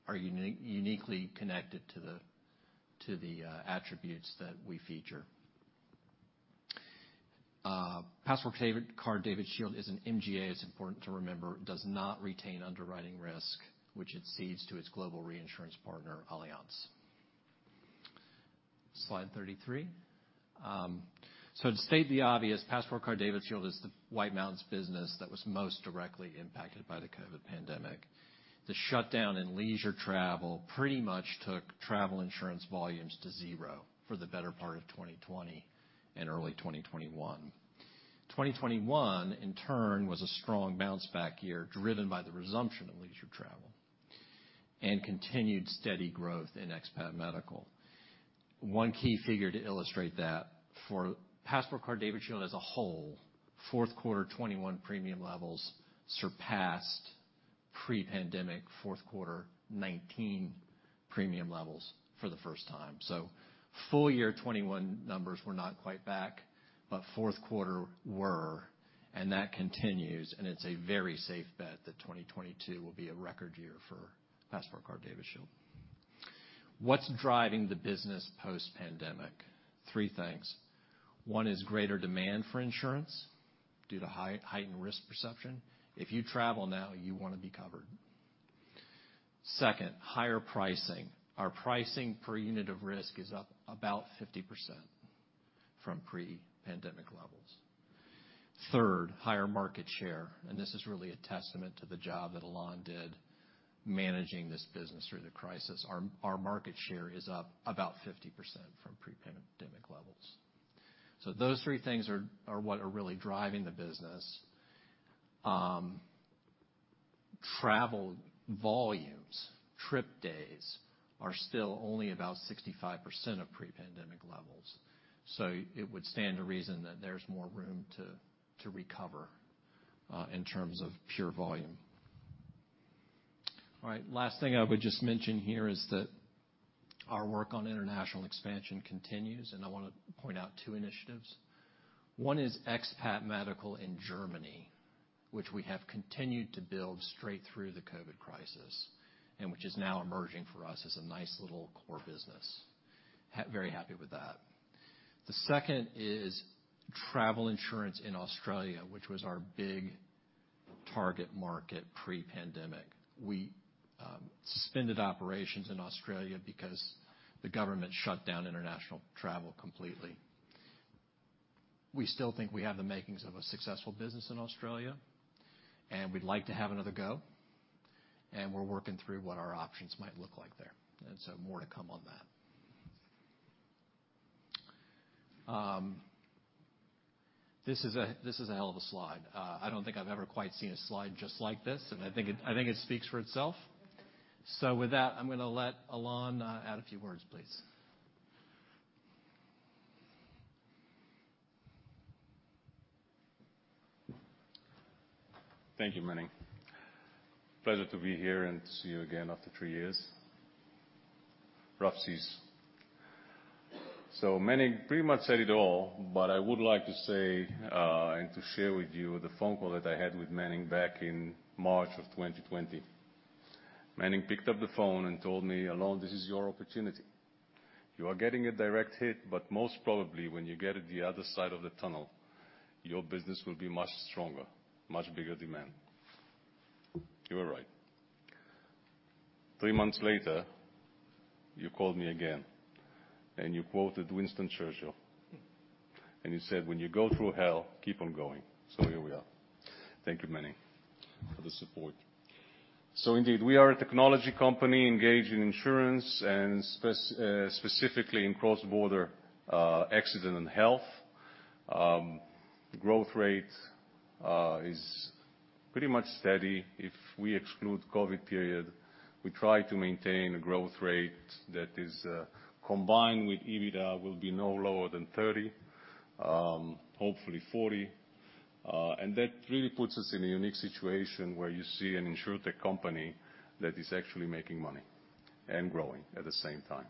are uniquely connected to the attributes that we feature. PassportCard DavidShield is an MGA, it's important to remember, does not retain underwriting risk, which it cedes to its global reinsurance partner, Allianz. Slide 33. To state the obvious, PassportCard DavidShield is the White Mountains business that was most directly impacted by the COVID pandemic. The shutdown in leisure travel pretty much took travel insurance volumes to zero for the better part of 2020 and early 2021. 2021, in turn, was a strong bounce back year, driven by the resumption of leisure travel and continued steady growth in expat medical. One key figure to illustrate that for PassportCard DavidShield as a whole, fourth quarter 2021 premium levels surpassed pre-pandemic fourth quarter 2019 premium levels for the first time. Full year 2021 numbers were not quite back, but fourth quarter were, and that continues, and it's a very safe bet that 2022 will be a record year for PassportCard DavidShield. What's driving the business post pandemic? Three things. One is greater demand for insurance due to heightened risk perception. If you travel now, you wanna be covered. Second, higher pricing. Our pricing per unit of risk is up about 50% from pre-pandemic levels. Third, higher market share, and this is really a testament to the job that Alon did managing this business through the crisis. Our market share is up about 50% from pre-pandemic levels. Those three things are what are really driving the business. Travel volumes, trip days, are still only about 65% of pre-pandemic levels. It would stand to reason that there's more room to recover in terms of pure volume. All right. Last thing I would just mention here is that our work on international expansion continues, and I wanna point out two initiatives. One is expat medical in Germany, which we have continued to build straight through the COVID crisis, and which is now emerging for us as a nice little core business. Very happy with that. The second is travel insurance in Australia, which was our big target market pre-pandemic. We suspended operations in Australia because the government shut down international travel completely. We still think we have the makings of a successful business in Australia, and we'd like to have another go, and we're working through what our options might look like there. More to come on that. This is a hell of a slide. I don't think I've ever quite seen a slide just like this, and I think it speaks for itself. With that, I'm gonna let Alon add a few words, please. Thank you, Manning. Pleasure to be here and to see you again after three years. Rough seas. Manning pretty much said it all, but I would like to say, and to share with you the phone call that I had with Manning back in March of 2020. Manning picked up the phone and told me, "Alon, this is your opportunity. You are getting a direct hit, but most probably when you get at the other side of the tunnel, your business will be much stronger, much bigger demand." You were right. Three months later, you called me again, and you quoted Winston Churchill, and you said, "When you go through hell, keep on going." Here we are. Thank you, Manning, for the support. Indeed, we are a technology company engaged in insurance and specifically in cross-border, accident and health. Growth rate is pretty much steady if we exclude COVID period. We try to maintain a growth rate that is combined with EBITDA will be no lower than 30%, hopefully 40%. That really puts us in a unique situation where you see an InsurTech company that is actually making money and growing at the same time.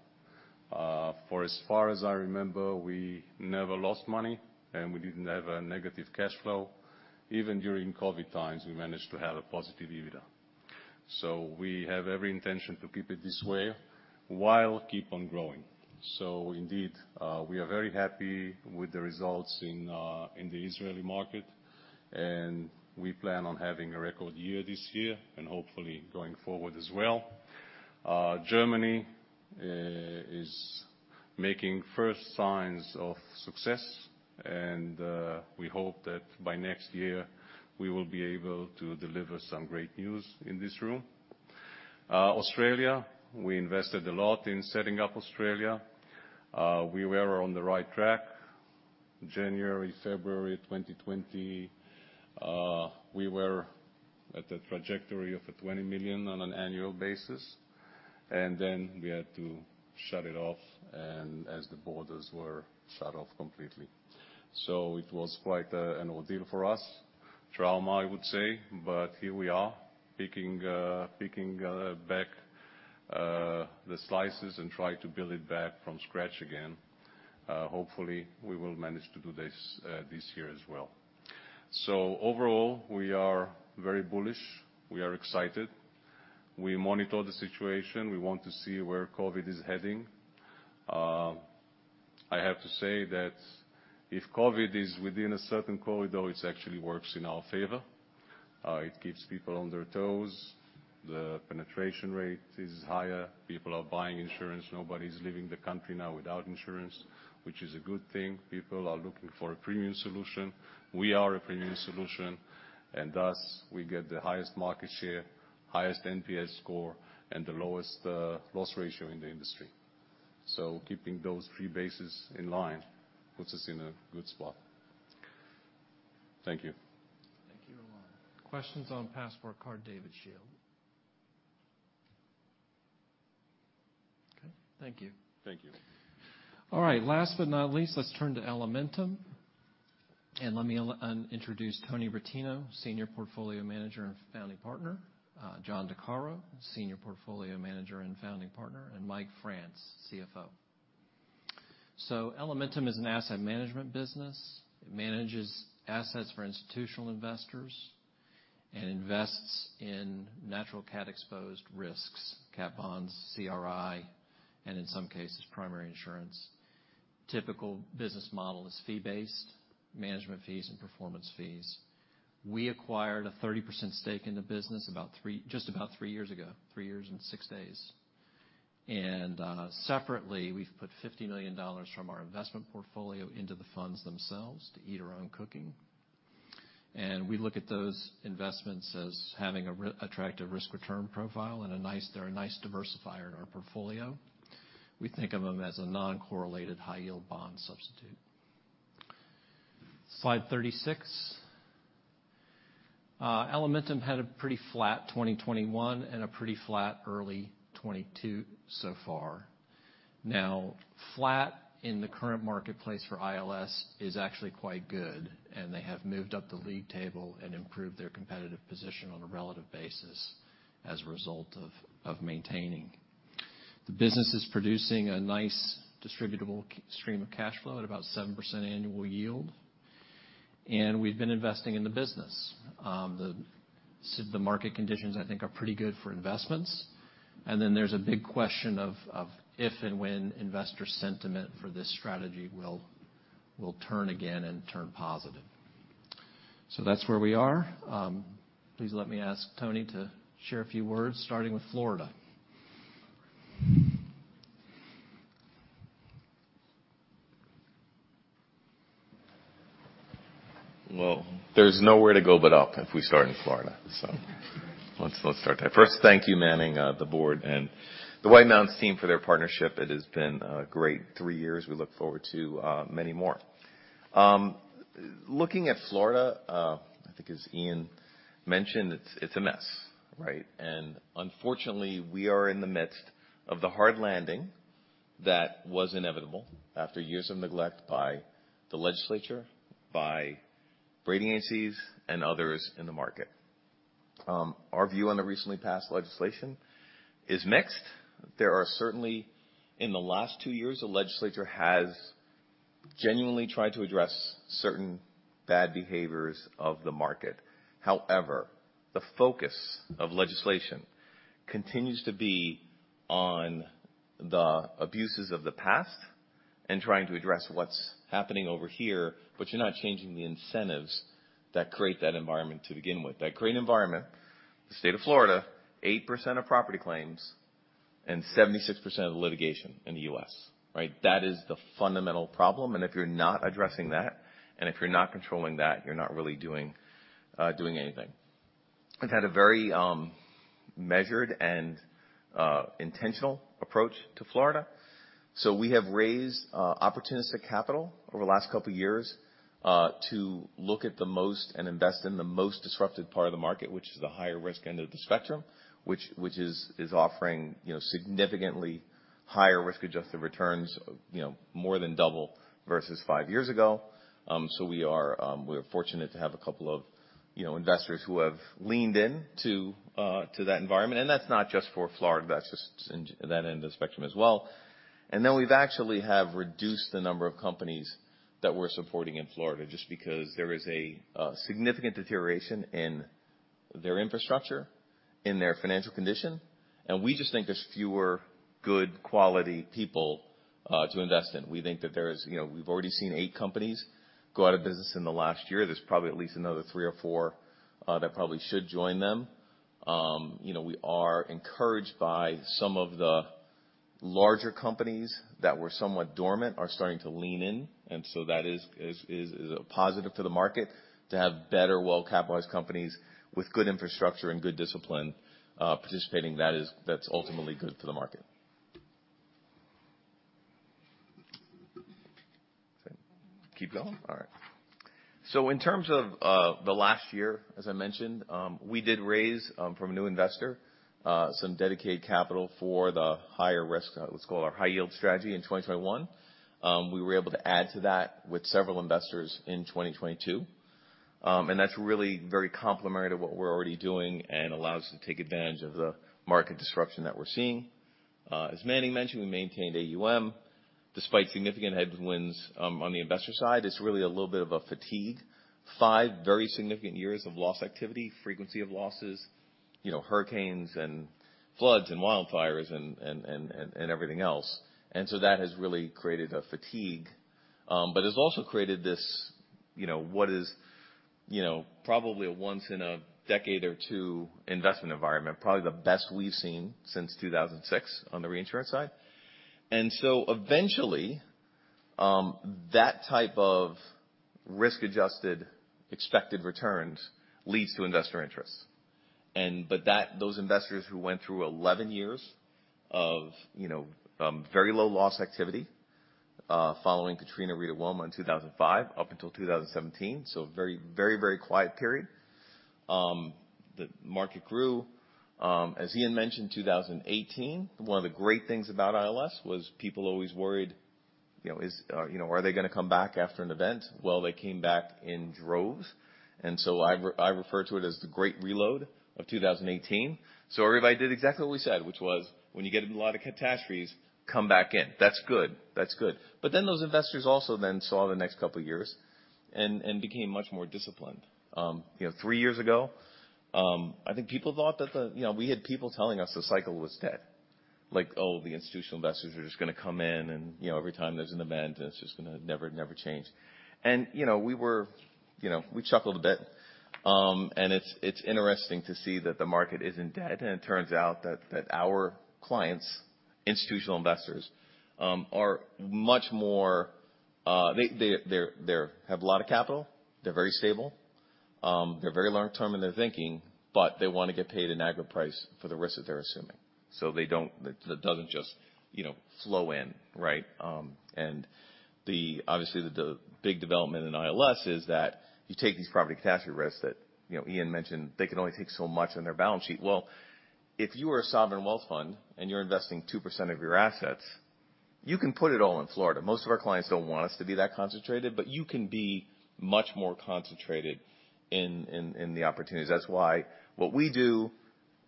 For as far as I remember, we never lost money, and we didn't have a negative cash flow. Even during COVID times, we managed to have a positive EBITDA. We have every intention to keep it this way while keep on growing. Indeed, we are very happy with the results in the Israeli market, and we plan on having a record year this year and hopefully going forward as well. Germany is making first signs of success, and we hope that by next year, we will be able to deliver some great news in this room. Australia, we invested a lot in setting up Australia. We were on the right track. January, February 2020, we were at a trajectory of $20 million on an annual basis, and then we had to shut it off and as the borders were shut off completely. It was quite an ordeal for us. Trauma, I would say. Here we are, picking up the pieces and try to build it back from scratch again. Hopefully, we will manage to do this this year as well. Overall, we are very bullish. We are excited. We monitor the situation. We want to see where COVID is heading. I have to say that if COVID is within a certain corridor, it actually works in our favor. It keeps people on their toes. The penetration rate is higher. People are buying insurance. Nobody's leaving the country now without insurance, which is a good thing. People are looking for a premium solution. We are a premium solution. Thus, we get the highest market share, highest NPS score, and the lowest loss ratio in the industry. Keeping those three bases in line puts us in a good spot. Thank you. Thank you, Alon. Questions on PassportCard, DavidShield. Okay. Thank you. Thank you. All right. Last but not least, let's turn to Elementum. Let me introduce Anthony Rettino, Senior Portfolio Manager and Founding Partner, John DeCaro, Senior Portfolio Manager and Founding Partner, and Mike France, CFO. Elementum is an asset management business. It manages assets for institutional investors and invests in natural cat exposed risks, cat bonds, CRI, and in some cases, primary insurance. Typical business model is fee-based, management fees and performance fees. We acquired a 30% stake in the business just about 3 years ago, 3 years and 6 days. Separately, we've put $50 million from our investment portfolio into the funds themselves to eat our own cooking. We look at those investments as having an attractive risk-return profile and they're a nice diversifier in our portfolio. We think of them as a non-correlated high yield bond substitute. Slide 36. Elementum had a pretty flat 2021 and a pretty flat early 2022 so far. Now, flat in the current marketplace for ILS is actually quite good, and they have moved up the league table and improved their competitive position on a relative basis as a result of maintaining. The business is producing a nice distributable cash stream of cash flow at about 7% annual yield. We've been investing in the business. The market conditions, I think, are pretty good for investments. Then there's a big question of if and when investor sentiment for this strategy will turn again and turn positive. That's where we are. Please let me ask Tony to share a few words, starting with Florida. Well, there's nowhere to go but up if we start in Florida. Let's start there. First, thank you, Manning, the board and the White Mountains team for their partnership. It has been a great three years. We look forward to many more. Looking at Florida, I think as Ian mentioned, it's a mess, right? Unfortunately, we are in the midst of the hard landing. That was inevitable after years of neglect by the legislature, by rating agencies, and others in the market. Our view on the recently passed legislation is mixed. There are certainly, in the last two years, the legislature has genuinely tried to address certain bad behaviors of the market. However, the focus of legislation continues to be on the abuses of the past and trying to address what's happening over here, but you're not changing the incentives that create that environment to begin with. That create an environment, the state of Florida, 8% of property claims and 76% of the litigation in the U.S., right? That is the fundamental problem. If you're not addressing that, and if you're not controlling that, you're not really doing anything. We've had a very measured and intentional approach to Florida. We have raised opportunistic capital over the last couple of years to look at the most and invest in the most disruptive part of the market, which is the higher risk end of the spectrum, which is offering, you know, significantly higher risk-adjusted returns, you know, more than double versus five years ago. We are fortunate to have a couple of, you know, investors who have leaned in to that environment. That's not just for Florida, that's just in that end of the spectrum as well. Then we've actually reduced the number of companies that we're supporting in Florida just because there is a significant deterioration in their infrastructure, in their financial condition. We just think there's fewer good quality people to invest in. We think that there is, you know, we've already seen eight companies go out of business in the last year. There's probably at least another three or four that probably should join them. You know, we are encouraged by some of the larger companies that were somewhat dormant are starting to lean in. That is a positive to the market to have better, well-capitalized companies with good infrastructure and good discipline participating. That's ultimately good for the market. Keep going? All right. In terms of the last year, as I mentioned, we did raise from a new investor some dedicated capital for the higher risk, let's call it our high yield strategy in 2021. We were able to add to that with several investors in 2022. That's really very complementary to what we're already doing and allows us to take advantage of the market disruption that we're seeing. As Manning mentioned, we maintained AUM despite significant headwinds on the investor side. It's really a little bit of a fatigue. five very significant years of loss activity, frequency of losses, you know, hurricanes and floods and wildfires and everything else. That has really created a fatigue, but it's also created this, you know, what is, you know, probably a once-in-a-decade or two investment environment, probably the best we've seen since 2006 on the reinsurance side. Eventually, that type of risk-adjusted expected returns leads to investor interest. Those investors who went through 11 years of, you know, very low loss activity following Hurricane Katrina, Hurricane Rita, Hurricane Wilma in 2005 up until 2017. Very quiet period. The market grew. As Ian mentioned, 2018, one of the great things about ILS was people always worried, you know, is, you know, are they gonna come back after an event? Well, they came back in droves. I refer to it as the great reload of 2018. Everybody did exactly what we said, which was, when you get a lot of catastrophes, come back in. That's good, that's good. Those investors also then saw the next couple of years and became much more disciplined. You know, three years ago, I think people thought that the, you know, we had people telling us the cycle was dead. Like, oh, the institutional investors are just gonna come in and, you know, every time there's an event, it's just gonna never change. You know, we were, you know, we chuckled a bit. It's interesting to see that the market isn't dead. It turns out that our clients, institutional investors, are much more, they have a lot of capital. They're very stable. They're very long-term in their thinking, but they want to get paid an aggregate price for the risk that they're assuming. They don't, that doesn't just, you know, flow in, right? Obviously, the big development in ILS is that you take these property catastrophe risks that, you know, Ian mentioned, they can only take so much on their balance sheet. Well, if you are a sovereign wealth fund and you're investing 2% of your assets, you can put it all in Florida. Most of our clients don't want us to be that concentrated, but you can be much more concentrated in the opportunities. That's why what we do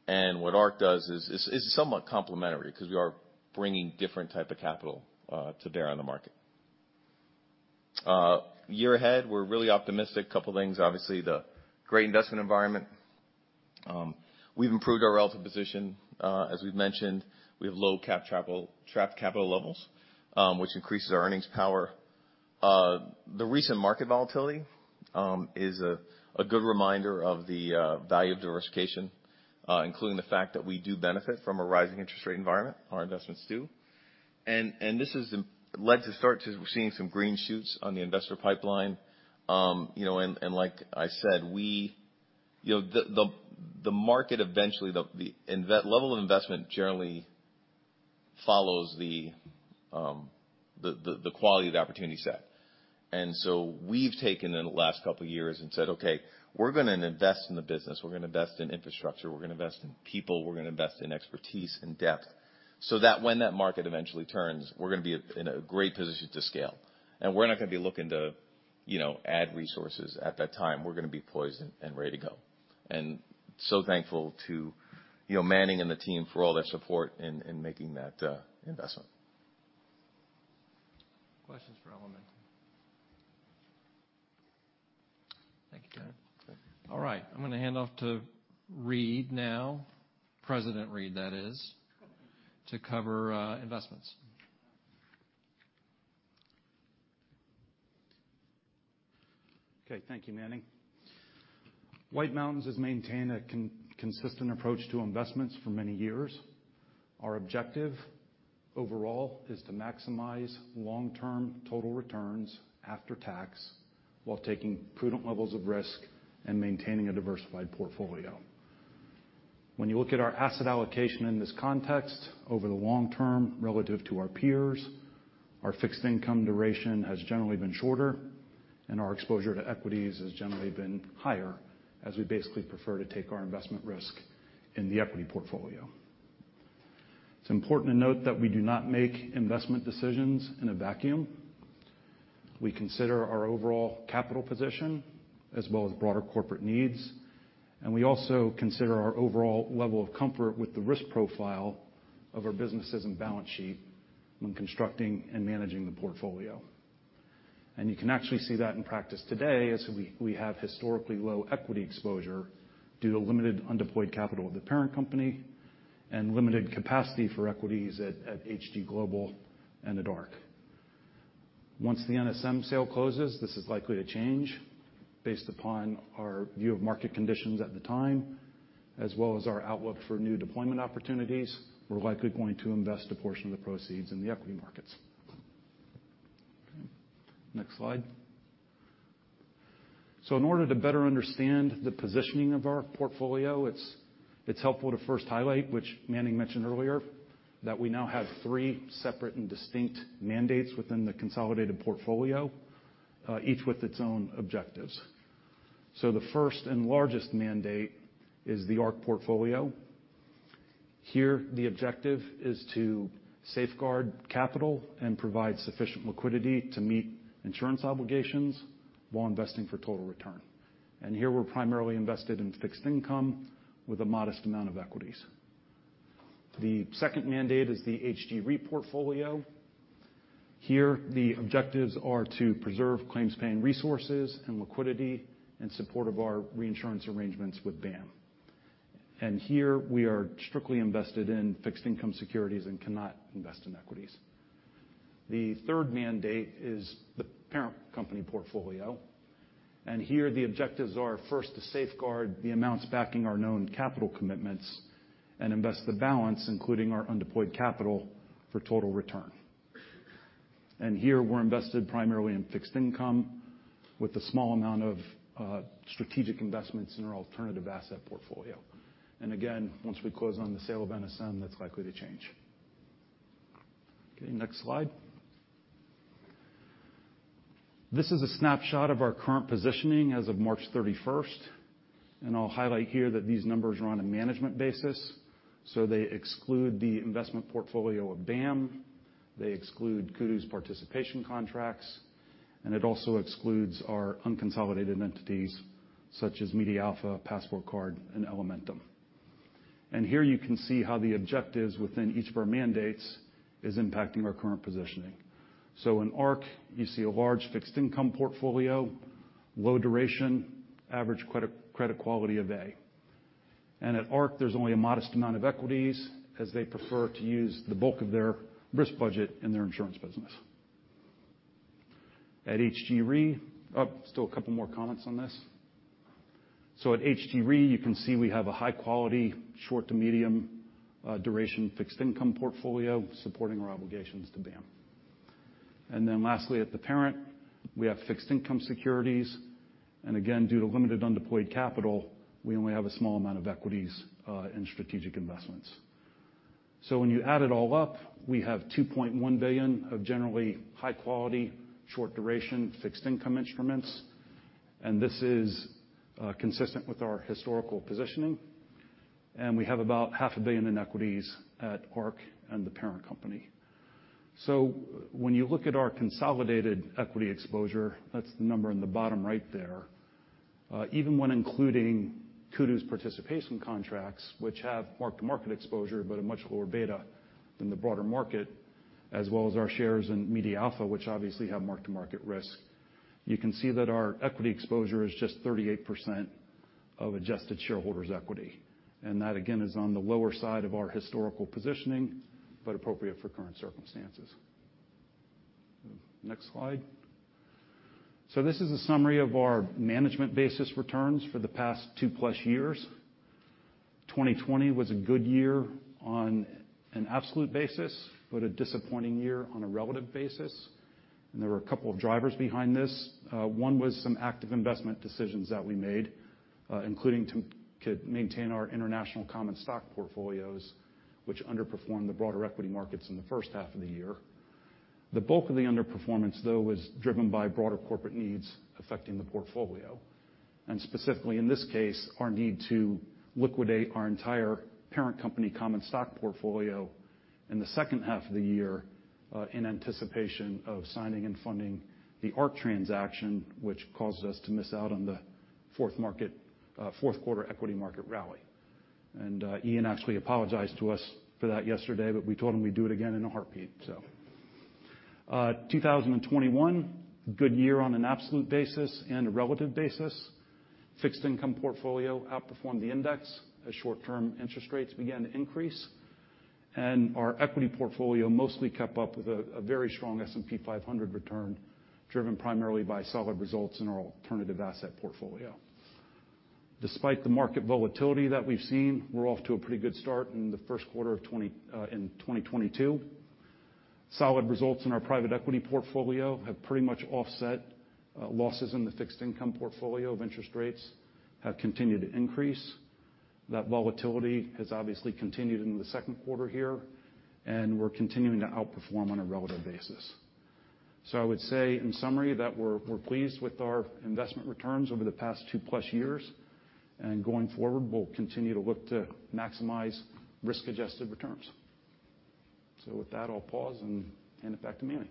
and what Ark does is somewhat complementary because we are bringing different type of capital to bear on the market. Year ahead, we're really optimistic. Couple things, obviously, the great investment environment. We've improved our relative position. As we've mentioned, we have low trapped capital levels, which increases our earnings power. The recent market volatility is a good reminder of the value of diversification, including the fact that we do benefit from a rising interest rate environment. Our investments do. This has led to starting to see some green shoots on the investor pipeline. You know, like I said, we, you know, the market eventually and that level of investment generally follows the quality of the opportunity set. We've taken in the last couple years and said, "Okay, we're gonna invest in the business, we're gonna invest in infrastructure, we're gonna invest in people, we're gonna invest in expertise and depth," so that when that market eventually turns, we're gonna be in a great position to scale. We're not gonna be looking to, you know, add resources at that time. We're gonna be poised and ready to go. Thankful to, you know, Manning and the team for all their support in making that investment. Questions for Elementum. Thank you, Chad. All right. I'm gonna hand off to Reid now, President Reid, that is, to cover investments. Okay, thank you, Manning. White Mountains has maintained a consistent approach to investments for many years. Our objective overall is to maximize long-term total returns after tax, while taking prudent levels of risk and maintaining a diversified portfolio. When you look at our asset allocation in this context, over the long term, relative to our peers, our fixed income duration has generally been shorter, and our exposure to equities has generally been higher, as we basically prefer to take our investment risk in the equity portfolio. It's important to note that we do not make investment decisions in a vacuum. We consider our overall capital position, as well as broader corporate needs, and we also consider our overall level of comfort with the risk profile of our businesses and balance sheet when constructing and managing the portfolio. You can actually see that in practice today, as we have historically low equity exposure due to limited undeployed capital of the parent company and limited capacity for equities at HG Global and The Ark. Once the NSM sale closes, this is likely to change. Based upon our view of market conditions at the time, as well as our outlook for new deployment opportunities, we're likely going to invest a portion of the proceeds in the equity markets. Next slide. In order to better understand the positioning of our portfolio, it's helpful to first highlight, which Manning mentioned earlier, that we now have three separate and distinct mandates within the consolidated portfolio, each with its own objectives. The first and largest mandate is The Ark portfolio. Here, the objective is to safeguard capital and provide sufficient liquidity to meet insurance obligations while investing for total return. Here, we're primarily invested in fixed income with a modest amount of equities. The second mandate is the HG Re portfolio. Here, the objectives are to preserve claims paying resources and liquidity in support of our reinsurance arrangements with BAM. Here, we are strictly invested in fixed income securities and cannot invest in equities. The third mandate is the parent company portfolio, and here, the objectives are first to safeguard the amounts backing our known capital commitments and invest the balance, including our undeployed capital, for total return. Here, we're invested primarily in fixed income with a small amount of strategic investments in our alternative asset portfolio. Again, once we close on the sale of NSM, that's likely to change. Okay, next slide. This is a snapshot of our current positioning as of March 31st, and I'll highlight here that these numbers are on a management basis, so they exclude the investment portfolio of BAM, they exclude Kudu's participation contracts, and it also excludes our unconsolidated entities such as MediaAlpha, PassportCard, and Elementum. Here you can see how the objectives within each of our mandates is impacting our current positioning. In Ark, you see a large fixed income portfolio, low duration, average credit quality of A. At Ark, there's only a modest amount of equities, as they prefer to use the bulk of their risk budget in their insurance business. At HG Re. Oh, still a couple more comments on this. At HG Re, you can see we have a high quality short to medium duration fixed income portfolio supporting our obligations to BAM. Then lastly, at the parent, we have fixed income securities, and again, due to limited undeployed capital, we only have a small amount of equities, and strategic investments. When you add it all up, we have $2.1 billion of generally high quality, short duration fixed income instruments, and this is consistent with our historical positioning. We have about $0.5 billion in equities at Ark and the parent company. When you look at our consolidated equity exposure, that's the number on the bottom right there. Even when including Kudu's participation contracts, which have mark-to-market exposure, but a much lower beta than the broader market, as well as our shares in MediaAlpha, which obviously have mark-to-market risk, you can see that our equity exposure is just 38% of adjusted shareholders' equity. That, again, is on the lower side of our historical positioning, but appropriate for current circumstances. Next slide. This is a summary of our management basis returns for the past two plus years. 2020 was a good year on an absolute basis, but a disappointing year on a relative basis. There were a couple of drivers behind this. One was some active investment decisions that we made, including to maintain our international common stock portfolios, which underperformed the broader equity markets in the first half of the year. The bulk of the underperformance, though, was driven by broader corporate needs affecting the portfolio, and specifically in this case, our need to liquidate our entire parent company common stock portfolio in the second half of the year, in anticipation of signing and funding the Ark transaction, which caused us to miss out on the fourth quarter equity market rally. Ian actually apologized to us for that yesterday, but we told him we'd do it again in a heartbeat, so. 2021, good year on an absolute basis and a relative basis. Fixed income portfolio outperformed the index as short-term interest rates began to increase, and our equity portfolio mostly kept up with a very strong S&P 500 return, driven primarily by solid results in our alternative asset portfolio. Despite the market volatility that we've seen, we're off to a pretty good start in the first quarter of 2022. Solid results in our private equity portfolio have pretty much offset losses in the fixed income portfolio as interest rates have continued to increase. That volatility has obviously continued into the second quarter here, and we're continuing to outperform on a relative basis. I would say in summary that we're pleased with our investment returns over the past two-plus years, and going forward, we'll continue to look to maximize risk-adjusted returns. With that, I'll pause and hand it back to Manning.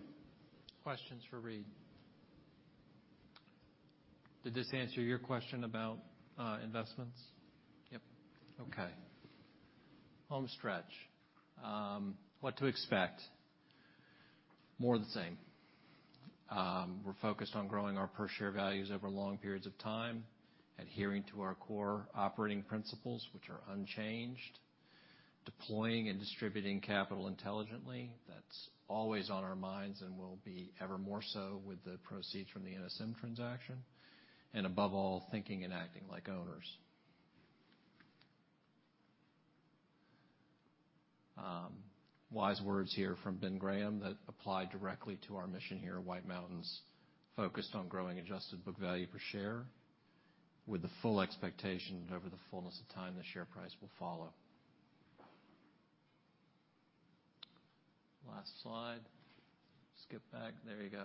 Questions for Reid? Did this answer your question about investments? Yep. Okay. Home stretch. What to expect? More of the same. We're focused on growing our per share values over long periods of time, adhering to our core operating principles, which are unchanged, deploying and distributing capital intelligently, that's always on our minds and will be ever more so with the proceeds from the NSM transaction, and above all, thinking and acting like owners. Wise words here from Ben Graham that apply directly to our mission here at White Mountains, focused on growing adjusted book value per share with the full expectation that over the fullness of time, the share price will follow. Last slide. Skip back. There you go.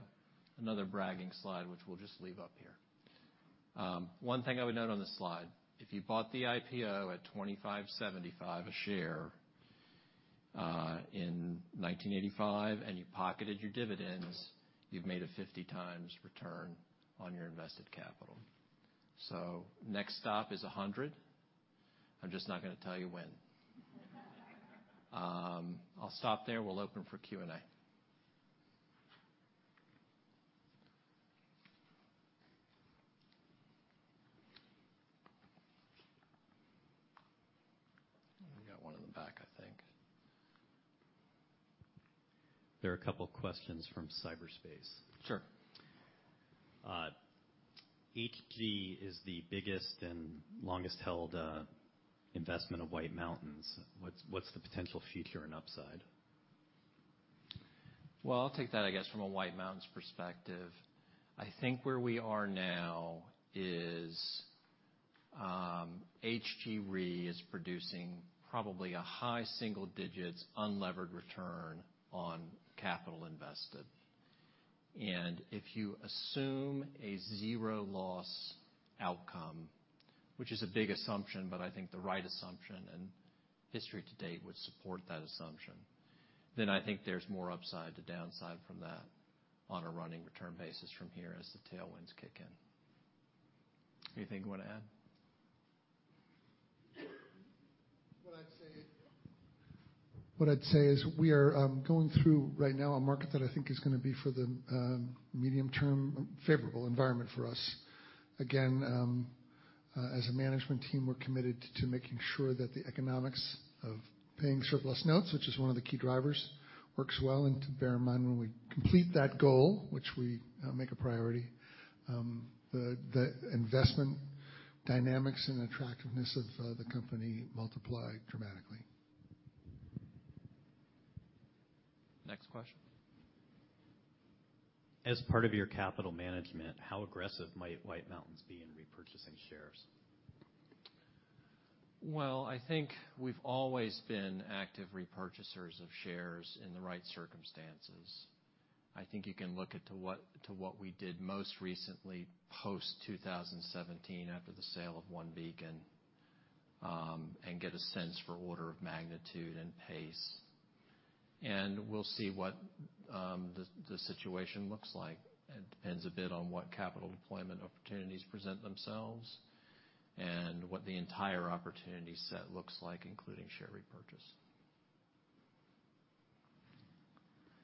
Another bragging slide, which we'll just leave up here. One thing I would note on this slide, if you bought the IPO at $25.75 a share in 1985 and you pocketed your dividends, you've made a 50 times return on your invested capital. Next stop is 100. I'm just not gonna tell you when. I'll stop there. We'll open for Q&A. We got one in the back, I think. There are a couple questions from cyberspace. Sure. HG is the biggest and longest held investment of White Mountains. What's the potential future and upside? Well, I'll take that, I guess, from a White Mountains perspective. I think where we are now is HG Re is producing probably a high single digits unlevered return on capital invested. If you assume a zero loss outcome, which is a big assumption, but I think the right assumption, and history to date would support that assumption, then I think there's more upside to downside from that on a running return basis from here as the tailwinds kick in. Anything you want to add? What I'd say is we are going through right now a market that I think is gonna be for the medium term, favorable environment for us. Again, as a management team, we're committed to making sure that the economics of paying surplus notes, which is one of the key drivers, works well. To bear in mind, when we complete that goal, which we make a priority, the investment dynamics and attractiveness of the company multiply dramatically. Next question. As part of your capital management, how aggressive might White Mountains be in repurchasing shares? Well, I think we've always been active repurchasers of shares in the right circumstances. I think you can look at what we did most recently post 2017 after the sale of OneBeacon, and get a sense for order of magnitude and pace. We'll see what the situation looks like. It depends a bit on what capital deployment opportunities present themselves and what the entire opportunity set looks like, including share repurchase.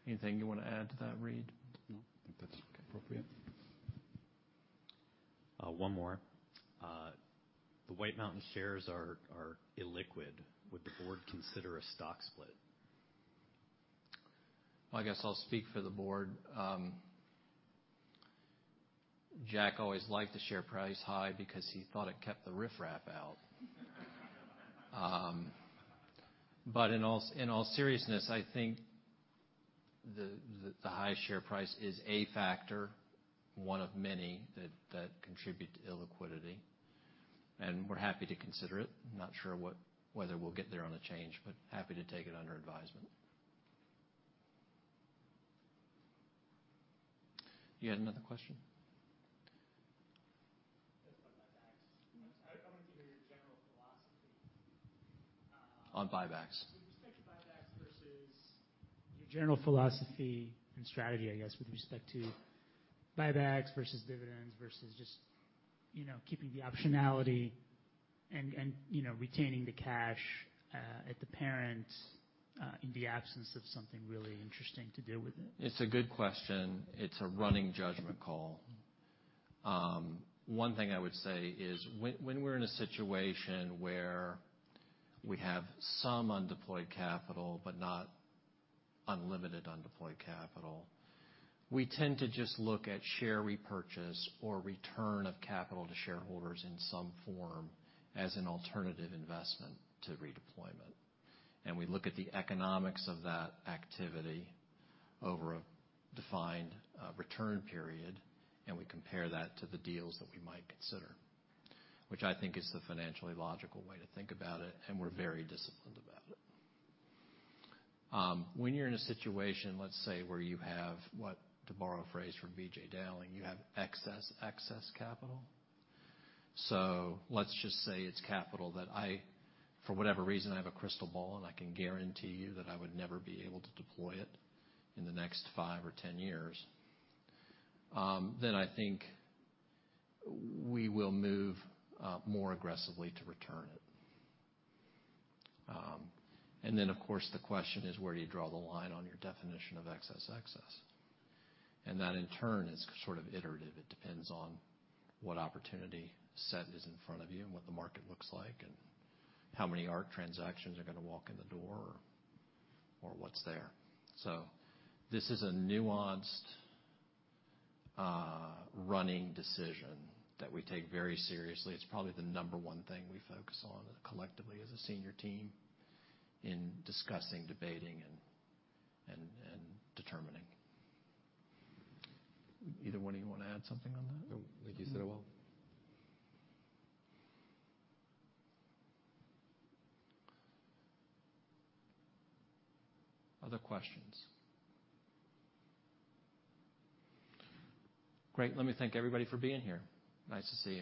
Anything you want to add to that, Reid? No. I think that's appropriate. The White Mountains shares are illiquid. Would the board consider a stock split? Well, I guess I'll speak for the board. Jack always liked the share price high because he thought it kept the riffraff out. In all seriousness, I think the high share price is a factor, one of many that contribute to illiquidity, and we're happy to consider it. Not sure whether we'll get there on the change, but happy to take it under advisement. You had another question? Just on buybacks. I want to hear your general philosophy. On buybacks. With respect to buybacks versus your general philosophy and strategy, I guess, with respect to buybacks versus dividends versus just, you know, keeping the optionality and, you know, retaining the cash at the parent in the absence of something really interesting to do with it. It's a good question. It's a running judgment call. One thing I would say is when we're in a situation where we have some undeployed capital but not unlimited undeployed capital, we tend to just look at share repurchase or return of capital to shareholders in some form as an alternative investment to redeployment. We look at the economics of that activity over a defined return period, and we compare that to the deals that we might consider, which I think is the financially logical way to think about it, and we're very disciplined about it. When you're in a situation, let's say, where you have, what, to borrow a phrase from V.J. Dowling, you have excess capital. Let's just say it's capital that I, for whatever reason, I have a crystal ball, and I can guarantee you that I would never be able to deploy it in the next five or 10 years, then I think we will move more aggressively to return it. Of course, the question is, where do you draw the line on your definition of excess? That, in turn, is sort of iterative. It depends on what opportunity set is in front of you and what the market looks like and how many Ark transactions are gonna walk in the door or what's there. This is a nuanced running decision that we take very seriously. It's probably the number one thing we focus on collectively as a senior team in discussing, debating and determining. Either one of you wanna add something on that? No. I think you said it well. Other questions? Great. Let me thank everybody for being here. Nice to see you.